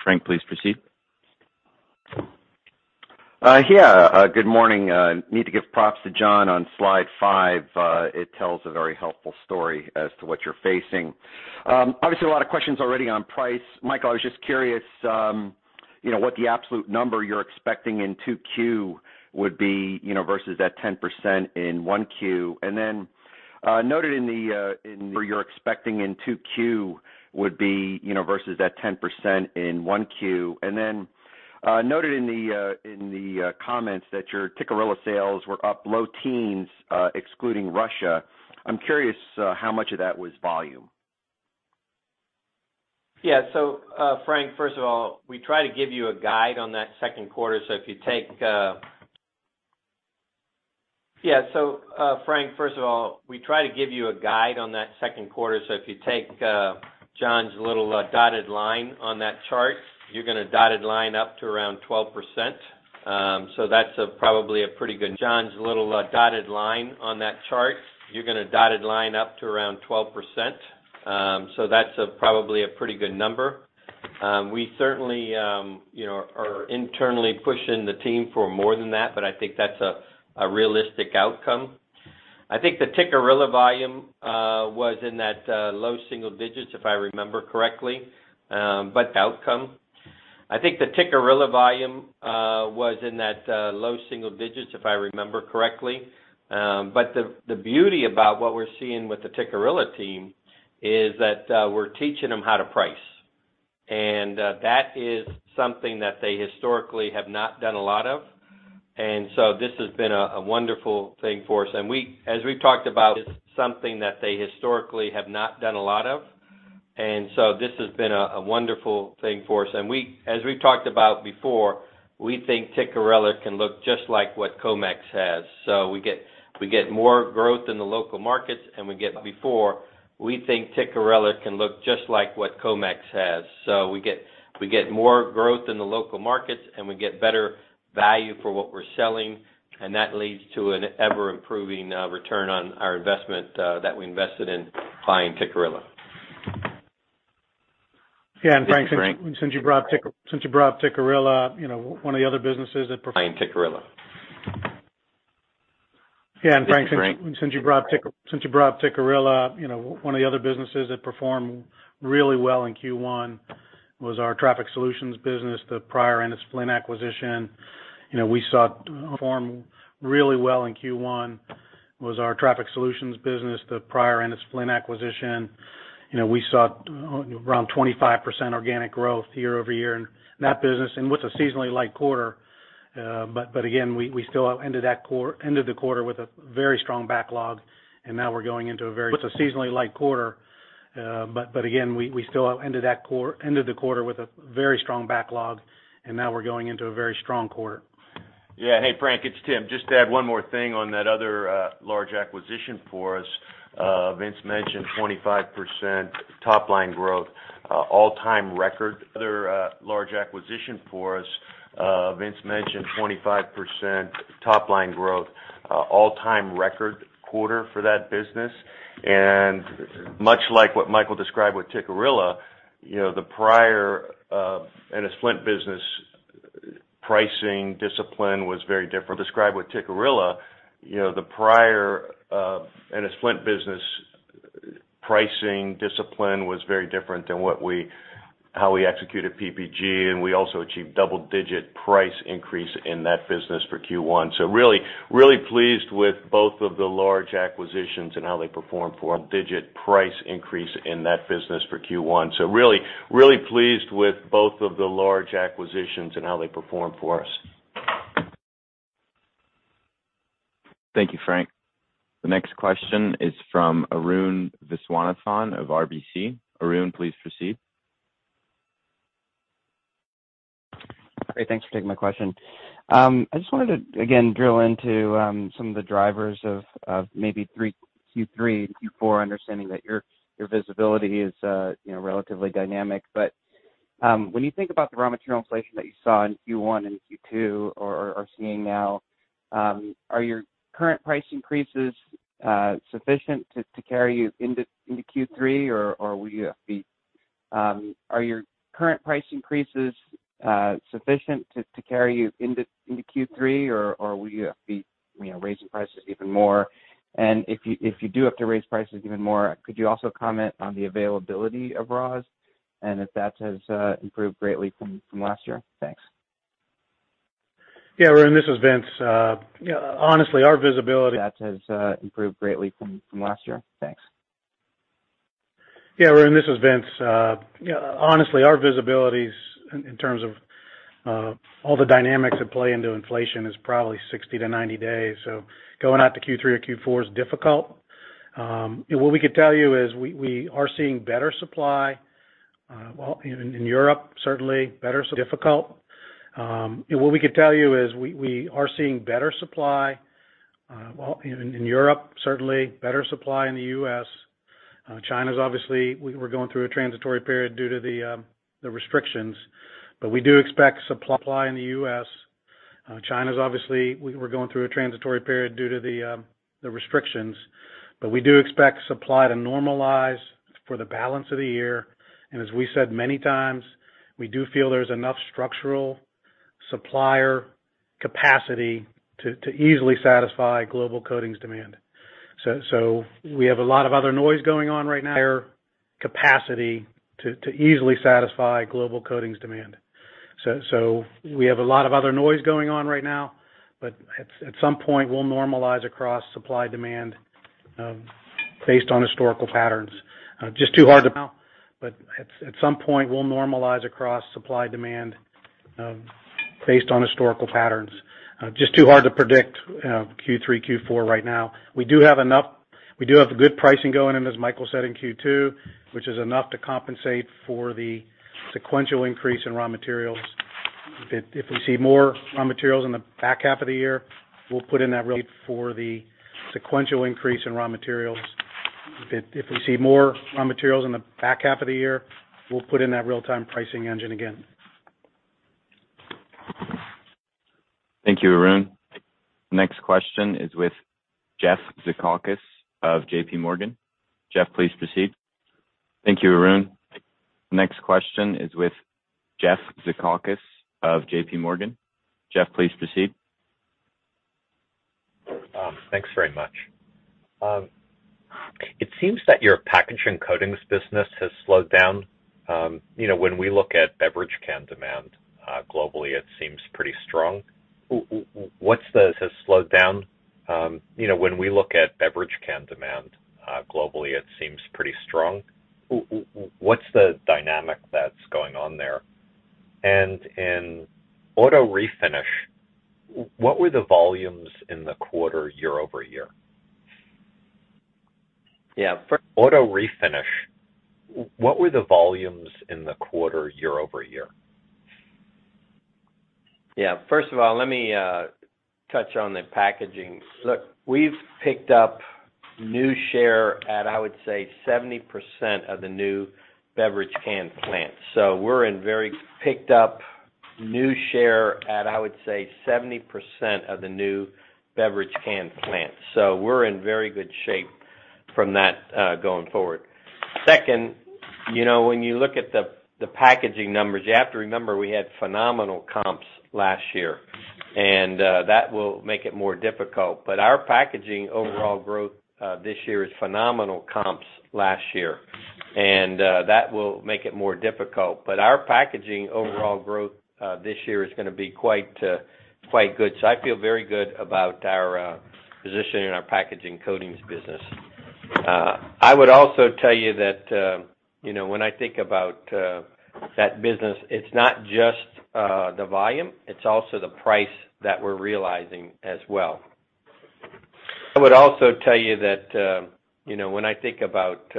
Frank, please proceed. Yeah. Good morning. Need to give props to John on slide five. It tells a very helpful story as to what you're facing. Obviously, a lot of questions already on price. Michael, I was just curious, you know, what the absolute number you're expecting in 2Q would be, you know, versus that 10% in 1Q. Noted in the comments that your Tikkurila sales were up low teens, excluding Russia. I'm curious, how much of that was volume? Frank, first of all, we try to give you a guide on that second quarter. If you take John's little dotted line on that chart. You're gonna dotted line up to around 12%. That's probably a pretty good number. We certainly, you know, are internally pushing the team for more than that, but I think that's a realistic outcome. I think the Tikkurila volume was in that low single digits, if I remember correctly. The beauty about what we're seeing with the Tikkurila team is that we're teaching them how to price. That is something that they historically have not done a lot of. This has been a wonderful thing for us, as we've talked about before, we think Tikkurila can look just like what Comex has. We get more growth in the local markets and we get better value for what we're selling, and that leads to an ever improving return on our investment that we invested in buying Tikkurila. Yeah. Frank, since you brought up Tikkurila, you know, one of the other businesses that performed really well in Q1 was our Traffic Solutions business, the prior Ennis-Flint acquisition. You know, we saw around 25% organic growth year-over-year in that business. It was a seasonally light quarter. But again, we still ended the quarter with a very strong backlog, and now we're going into a very strong quarter. Hey, Frank, it's Tim. Just to add one more thing on that other large acquisition for us. Vince mentioned 25% top line growth, all-time record quarter for that business. Much like what Michael described with Tikkurila, you know, the prior Ennis-Flint business pricing discipline was very different than how we execute at PPG, and we also achieved double-digit price increase in that business for Q1. Really pleased with both of the large acquisitions and how they perform for us. Thank you, Frank. The next question is from Arun Viswanathan of RBC. Arun, please proceed. Great. Thanks for taking my question. I just wanted to again drill into some of the drivers of maybe Q3 and Q4, understanding that your visibility is, you know, relatively dynamic. When you think about the raw material inflation that you saw in Q1 and Q2 or are seeing now, are your current price increases sufficient to carry you into Q3 or will you have to raise your prices even more? And if you do have to raise prices even more, could you also comment on the availability of raws and if that has improved greatly from last year? Thanks. Yeah. Arun, this is Vince. You know, honestly, our visibility is, in terms of, all the dynamics that play into inflation, is probably 60 to 90 days. Going out to Q3 or Q4 is difficult. What we could tell you is we are seeing better supply, well, in Europe, certainly better supply in the U.S.. China's obviously we're going through a transitory period due to the restrictions, but we do expect supply to normalize for the balance of the year. As we said many times, we do feel there's enough structural supplier capacity to easily satisfy global coatings demand. We have a lot of other noise going on right now, but at some point, we'll normalize across supply demand based on historical patterns. Just too hard to predict Q3, Q4 right now. We do have good pricing going in, as Michael said, in Q2, which is enough to compensate for the sequential increase in raw materials. If we see more raw materials in the back half of the year, we'll put in that real-time pricing engine again. Thank you, Arun. Next question is with Jeff Zekauskas of JPMorgan. Jeff, please proceed. Thanks very much. It seems that your packaging coatings business has slowed down. You know, when we look at beverage can demand, globally, it seems pretty strong. What's the dynamic that's going on there? In auto refinish, what were the volumes in the quarter year-over-year? Yeah. First of all, let me touch on the packaging. Look, we've picked up new share at, I would say, 70% of the new beverage can plant. We're in very good shape from that going forward. Second, you know, when you look at the packaging numbers, you have to remember we had phenomenal comps last year, and that will make it more difficult. Our packaging overall growth this year is gonna be quite good. I feel very good about our position in our packaging coatings business. I would also tell you that, you know, when I think about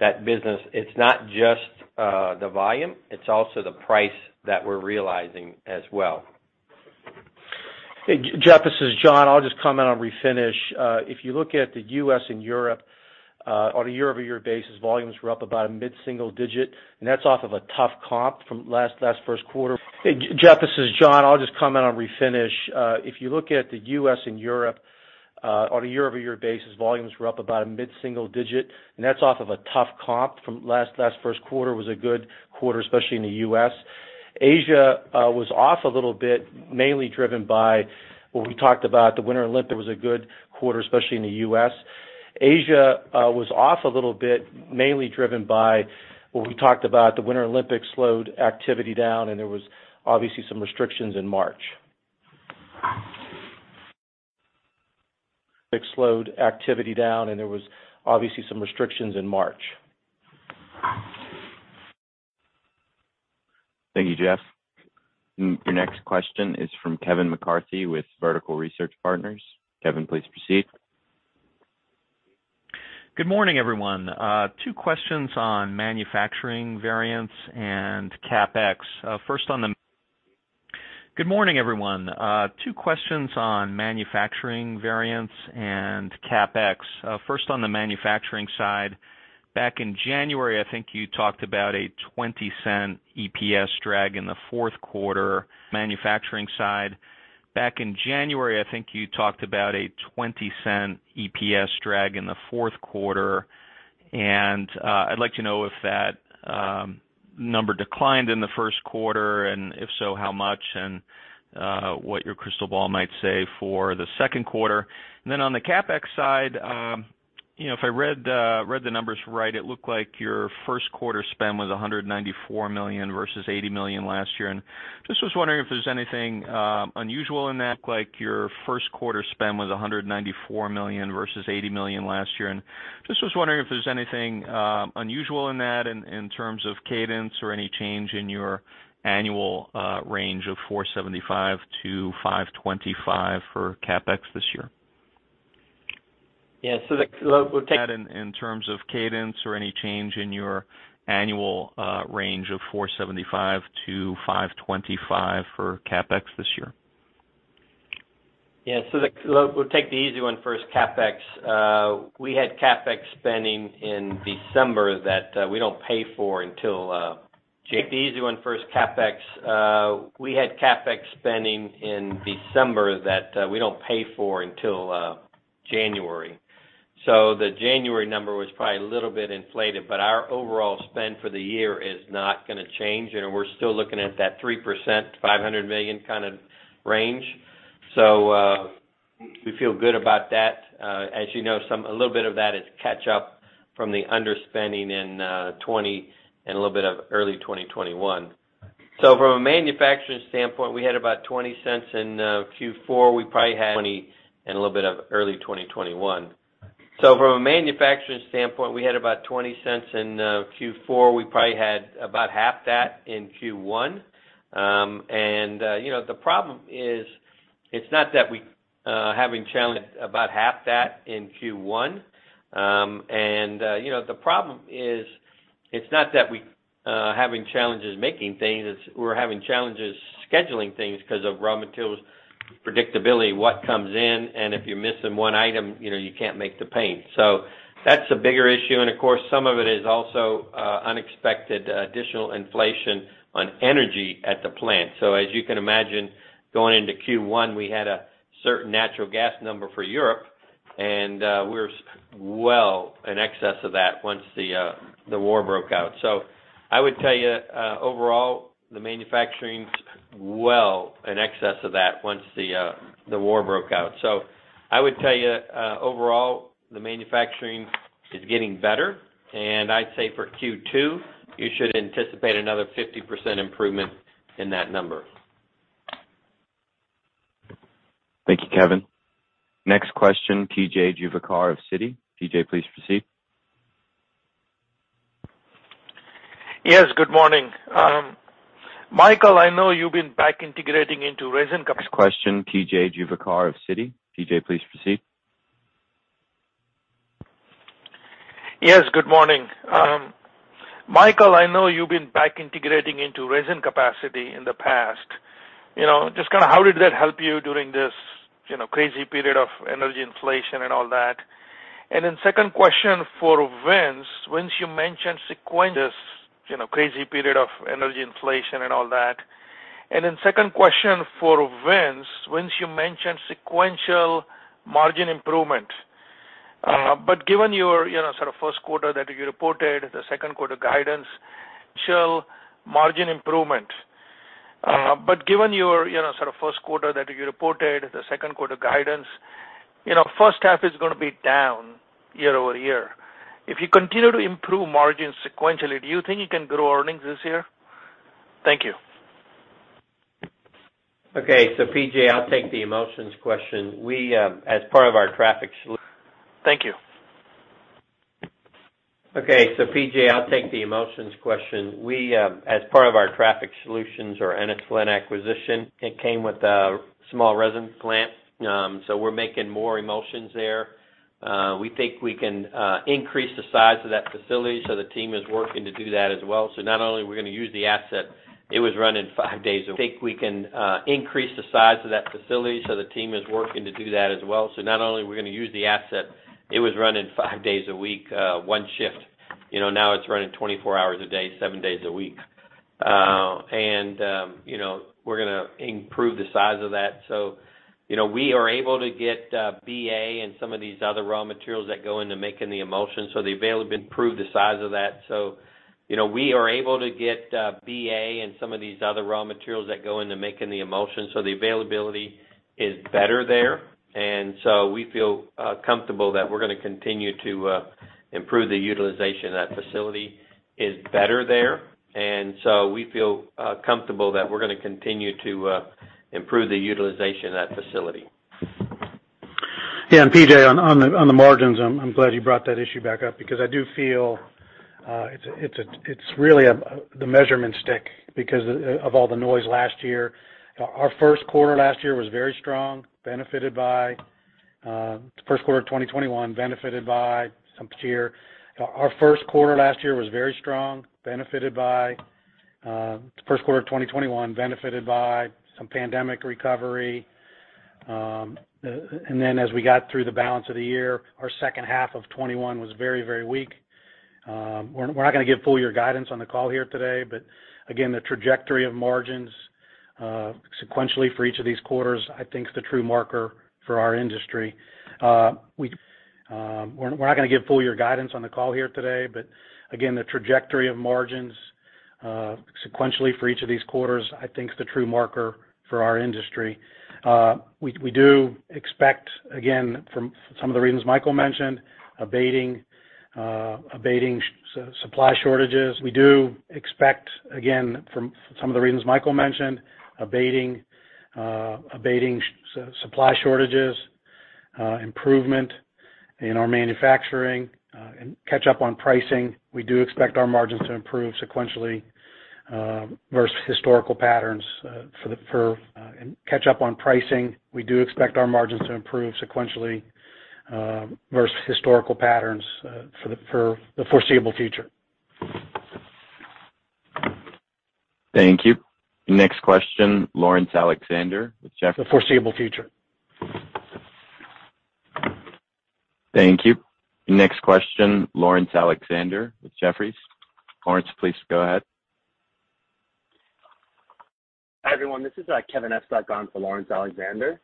that business, it's not just the volume, it's also the price that we're realizing as well. Hey, Jeff, this is John. I'll just comment on refinish. If you look at the U.S. and Europe, on a year-over-year basis, volumes were up about a mid-single digit, and that's off of a tough comp from last first quarter. It was a good quarter, especially in the U.S. Asia was off a little bit, mainly driven by what we talked about. The Winter Olympics slowed activity down, and there was obviously some restrictions in March. Thank you, Jeff. Your next question is from Kevin McCarthy with Vertical Research Partners. Kevin, please proceed. Good morning, everyone. Two questions on manufacturing variance and CapEx. First on the manufacturing side, back in January, I think you talked about a $0.20 EPS drag in the fourth quarter. I'd like to know if that number declined in the first quarter, and if so, how much, and what your crystal ball might say for the second quarter. On the CapEx side, you know, if I read the numbers right, it looked like your first quarter spend was $194 million versus $80 million last year. Just was wondering if there's anything unusual in terms of cadence or any change in your annual range of $475 million-$525 million for CapEx this year. Yeah. We'll take the easy one first, CapEx. We had CapEx spending in December that we don't pay for until January. The January number was probably a little bit inflated, but our overall spend for the year is not gonna change, and we're still looking at that 3%, $500 million kind of range. We feel good about that. As you know, a little bit of that is catch up from the underspending in 2020 and a little bit of early 2021. From a manufacturing standpoint, we had about $0.20 in Q4. We probably had $0.20 and a little bit of early 2021. From a manufacturing standpoint, we had about $0.20 in Q4. We probably had about half that in Q1. You know, the problem is it's not that we having challenges making things, it's we're having challenges scheduling things because of raw materials predictability, what comes in, and if you're missing one item, you know, you can't make the paint. That's a bigger issue. Of course, some of it is also unexpected additional inflation on energy at the plant. As you can imagine, going into Q1, we had a certain natural gas number for Europe, and we're well in excess of that once the war broke out. I would tell you, overall, the manufacturing is getting better. I'd say for Q2, you should anticipate another 50% improvement in that number. Thank you, Kevin. Next question, PJ Juvekar of Citi. PJ, please proceed. Yes, good morning. Michael, I know you've been back integrating into resin capacity in the past. You know, just kind of how did that help you during this, you know, crazy period of energy inflation and all that? Second question for Vince. Vince, you mentioned sequential margin improvement. Given your, you know, sort of first quarter that you reported, the second quarter guidance, you know, first half is gonna be down year-over-year. If you continue to improve margins sequentially, do you think you can grow earnings this year? Thank you. Okay. PJ, I'll take the emulsions question. We, as part of our Traffic Solutions or Ennis-Flint acquisition, it came with a small resins plant. We're making more emulsions there. We think we can increase the size of that facility, so the team is working to do that as well. Not only we're gonna use the asset, it was running five days a week, one shift. You know, now it's running 24 hours a day, 7 days a week. You know, we're gonna improve the size of that. You know, we are able to get BA and some of these other raw materials that go into making the emulsion, so the availability is better there. We feel comfortable that we're going to continue to improve the utilization of that facility. Yeah. PJ, on the margins, I'm glad you brought that issue back up because I do feel it's really the measurement stick because of all the noise last year. Our first quarter last year was very strong, benefited by some pandemic recovery. Then as we got through the balance of the year, our second half of 2021 was very, very weak. We're not gonna give full year guidance on the call here today, but again, the trajectory of margins sequentially for each of these quarters I think is the true marker for our industry. We do expect, again, from some of the reasons Michael mentioned, abating supply shortages, improvement in our manufacturing, and catch up on pricing. We do expect our margins to improve sequentially versus historical patterns for the foreseeable future. Thank you. Next question, Laurence Alexander with Jefferies. Laurence, please go ahead. Hi, everyone. This is Kevin Estok on for Laurence Alexander.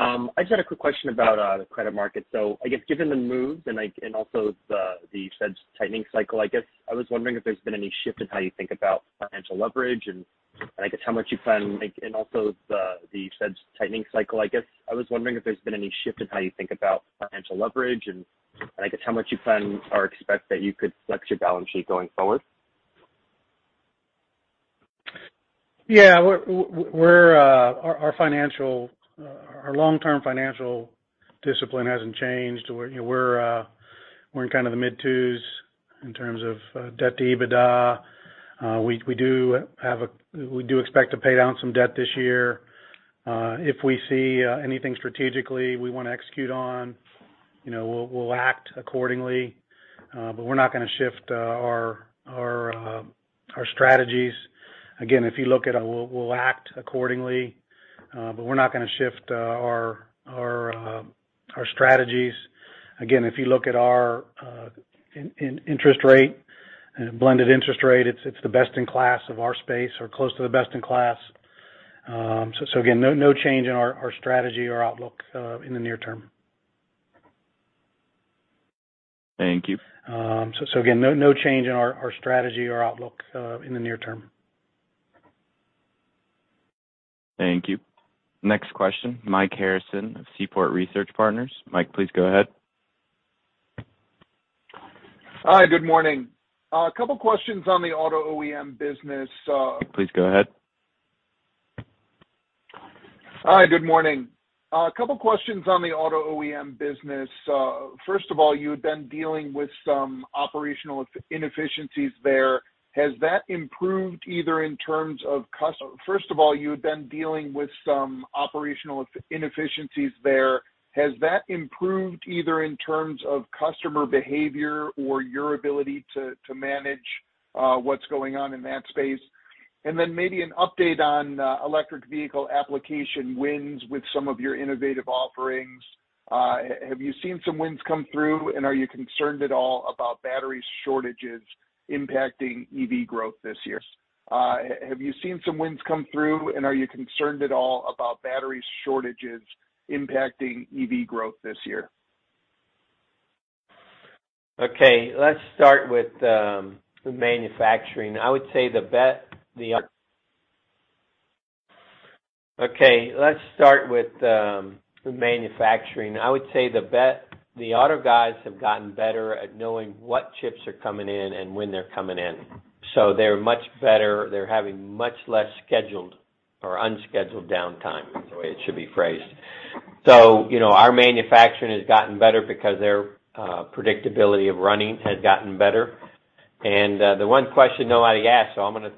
I just had a quick question about the credit market. I guess given the moves and like, and also the Fed's tightening cycle, I guess I was wondering if there's been any shift in how you think about financial leverage, and I guess how much you plan or expect that you could flex your balance sheet going forward? Our long-term financial discipline hasn't changed. We're, you know, in kind of the mid-2s in terms of debt to EBITDA. We do expect to pay down some debt this year. If we see anything strategically we want to execute on, you know, we'll act accordingly. We're not gonna shift our strategies. Again, if you look at our blended interest rate, it's the best in class of our space or close to the best in class. Again, no change in our strategy or outlook in the near term. Thank you. Next question, Mike Harrison of Seaport Research Partners. Mike, please go ahead. Hi, good morning. A couple questions on the auto OEM business. First of all, you had been dealing with some operational inefficiencies there. Has that improved either in terms of customer behavior or your ability to manage what's going on in that space? Maybe an update on electric vehicle application wins with some of your innovative offerings. Have you seen some wins come through, and are you concerned at all about battery shortages impacting EV growth this year? Okay, let's start with the manufacturing. I would say the auto guys have gotten better at knowing what chips are coming in and when they're coming in. So they're much better. They're having much less scheduled or unscheduled downtime, is the way it should be phrased. So, you know, our manufacturing has gotten better because their predictability of running has gotten better. The one question nobody asked, so I'm gonna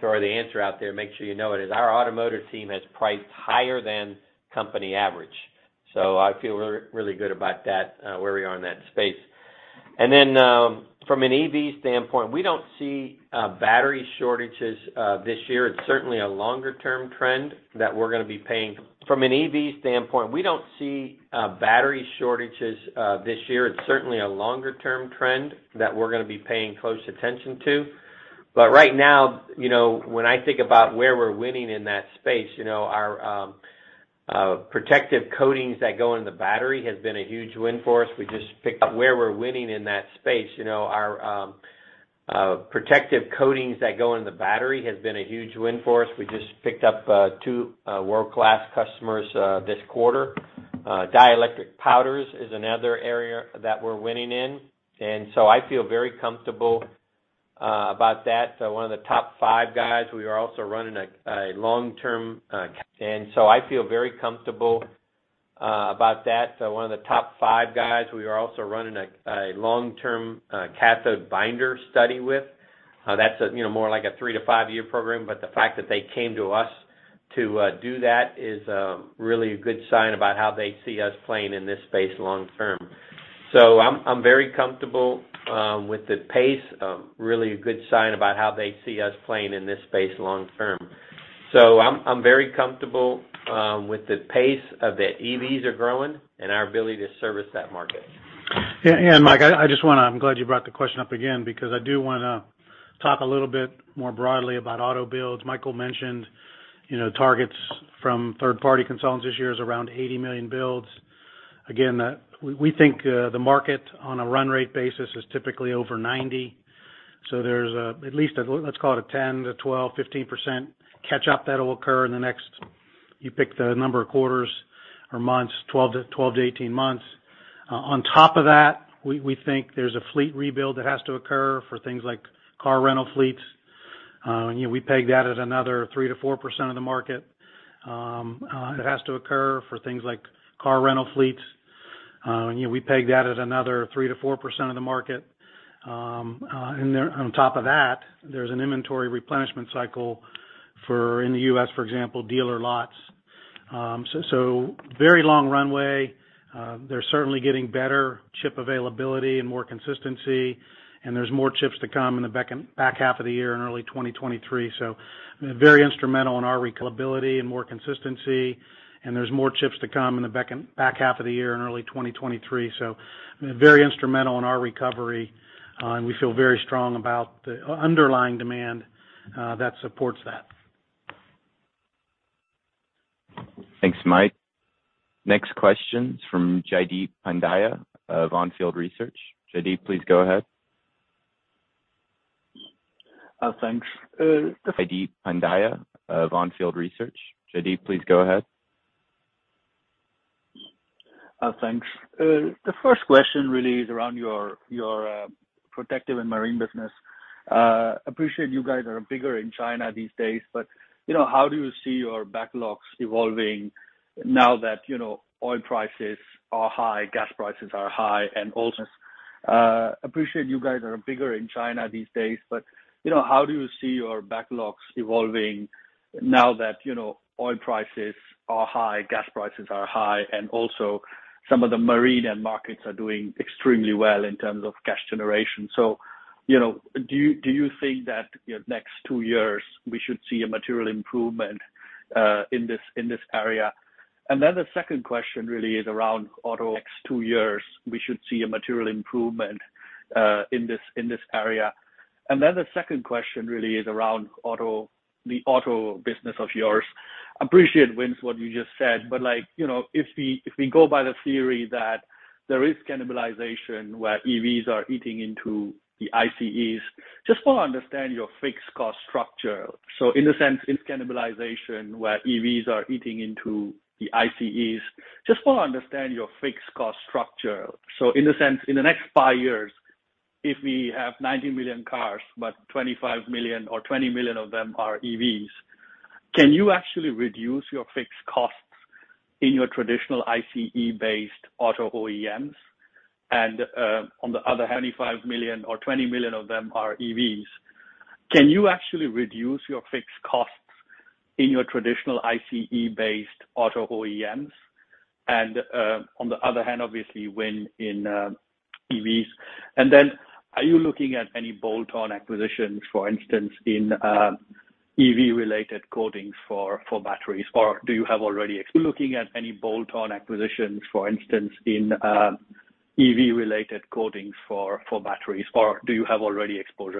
throw the answer out there and make sure you know it, is our automotive team has priced higher than company average. I feel really good about that, where we are in that space. From an EV standpoint, we don't see battery shortages this year. It's certainly a longer-term trend that we're gonna be paying close attention to. Right now, you know, when I think about where we're winning in that space, you know, our protective coatings that go into battery has been a huge win for us. Where we're winning in that space. We just picked up two world-class customers this quarter. Dielectric powders is another area that we're winning in, and so I feel very comfortable about that. One of the top five guys, we are also running a long-term cathode binder study with. That's a you know more like a three-five year program, but the fact that they came to us to do that is really a good sign about how they see us playing in this space long term. I'm very comfortable with the pace of the EVs are growing and our ability to service that market. Mike, I just want to. I'm glad you brought the question up again because I do want to talk a little bit more broadly about auto builds. Michael mentioned targets from third-party consultants this year is around 80 million builds. Again, we think the market on a run rate basis is typically over 90. So there's at least let's call it a 10%-12%, 15% catch up that'll occur in the next, you pick the number of quarters or months, 12-18 months. On top of that, we think there's a fleet rebuild that has to occur for things like car rental fleets. You know, we peg that at another 3%-4% of the market. There, on top of that, there's an inventory replenishment cycle for, in the U.S., for example, dealer lots. Very long runway. They're certainly getting better chip availability and more consistency, and there's more chips to come in the back half of the year in early 2023. Very instrumental in our recovery, and we feel very strong about the underlying demand that supports that. Thanks, Mike. Next question is from Jaideep Pandya of On Field Investment Research. Jaideep, please go ahead. Thanks. The first question really is around your protective and marine business. Appreciate you guys are bigger in China these days, but you know, how do you see your backlogs evolving now that you know, oil prices are high, gas prices are high, and also some of the marine end markets are doing extremely well in terms of cash generation? You know, do you think that the next two years we should see a material improvement in this area? The second question really is around auto, the auto business of yours. I appreciate, Vince, what you just said, but like, you know, if we go by the theory that there is cannibalization where EVs are eating into the ICEs, just wanna understand your fixed cost structure. So in a sense, in the next five years, if we have 90 million cars, but 25 million or 20 million of them are EVs, can you actually reduce your fixed costs in your traditional ICE-based auto OEMs? And on the other hand, obviously win in EVs. Are you looking at any bolt-on acquisitions, for instance, in EV-related coatings for batteries? Or do you have already exposure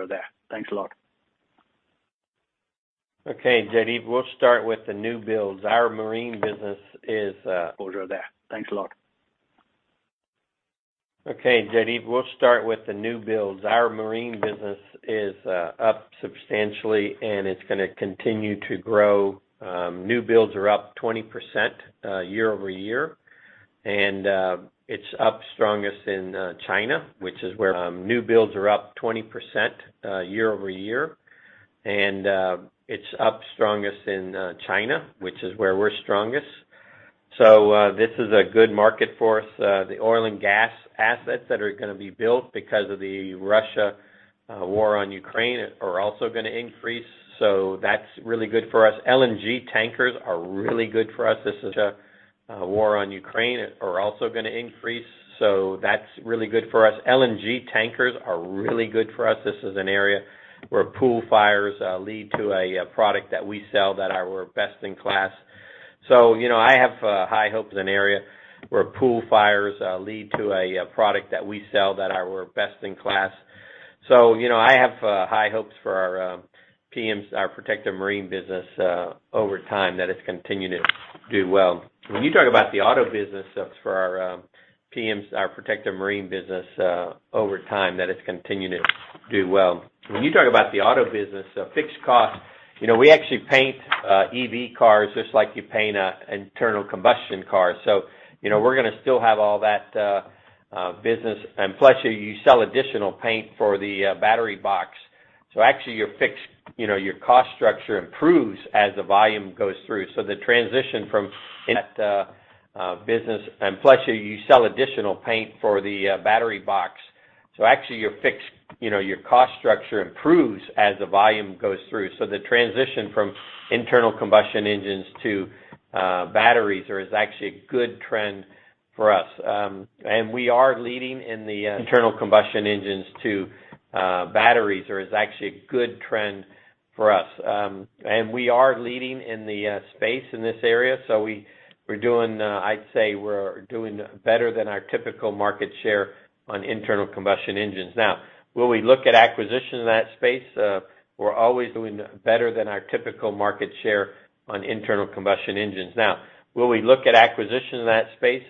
there? Thanks a lot. Okay, Jaideep. We'll start with the new builds. Our marine business is up substantially, and it's gonna continue to grow. New builds are up 20% year-over-year. It's up strongest in China, which is where we're strongest. This is a good market for us. The oil and gas assets that are gonna be built because of the Russia war on Ukraine are also gonna increase. So that's really good for us. LNG tankers are really good for us. An area where pool fires lead to a product that we sell that we're best in class. You know, I have high hopes for our PMs, our protective marine business over time that it's continued to do well. When you talk about the auto business, fixed cost, you know, we actually paint EV cars just like you paint an internal combustion car. You know, we're gonna still have all that business. Actually, your fixed, you know, your cost structure improves as the volume goes through, the transition from that business, plus you sell additional paint for the battery box. The transition from internal combustion engines to batteries or is actually a good trend for us. We are leading in the space in this area. We're doing, I'd say, better than our typical market share on internal combustion engines. Now, will we look at acquisition in that space?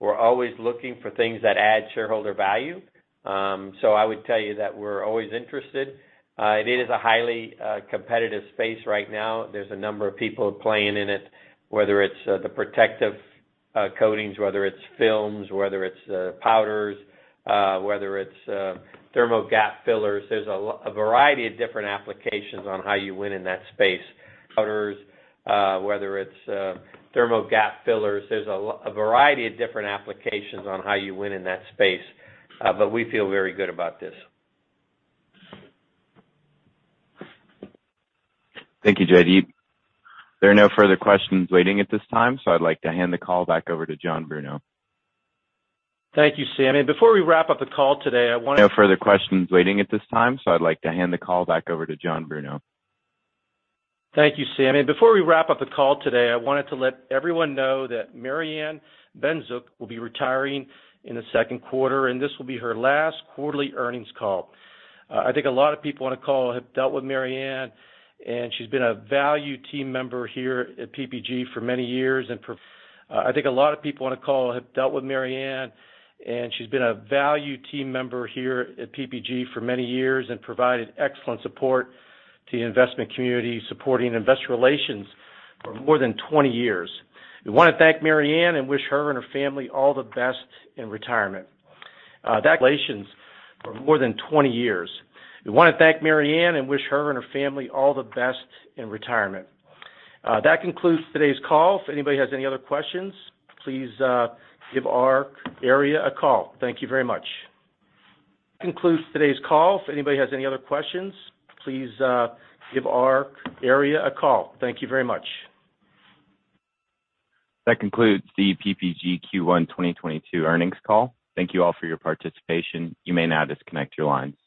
We're always looking for things that add shareholder value. I would tell you that we're always interested. It is a highly competitive space right now. There's a number of people playing in it, whether it's the protective coatings, whether it's films, whether it's powders, whether it's thermal gap fillers. There's a variety of different applications on how you win in that space. We feel very good about this. Thank you, Jaideep. There are no further questions waiting at this time, so I'd like to hand the call back over to John Bruno. Thank you, Sam. Before we wrap up the call today, I wanted to let everyone know that Mary Anne Bendzsuk will be retiring in the second quarter, and this will be her last quarterly earnings call. I think a lot of people on the call have dealt with Mary Anne, and she's been a valued team member here at PPG for many years and provided excellent support to the investment community, supporting investor relations for more than 20 years. We wanna thank Mary Anne and wish her and her family all the best in retirement. That concludes today's call. If anybody has any other questions, please, give our area a call. Thank you very much. That concludes the PPG Q1 2022 earnings call. Thank you all for your participation. You may now disconnect your lines.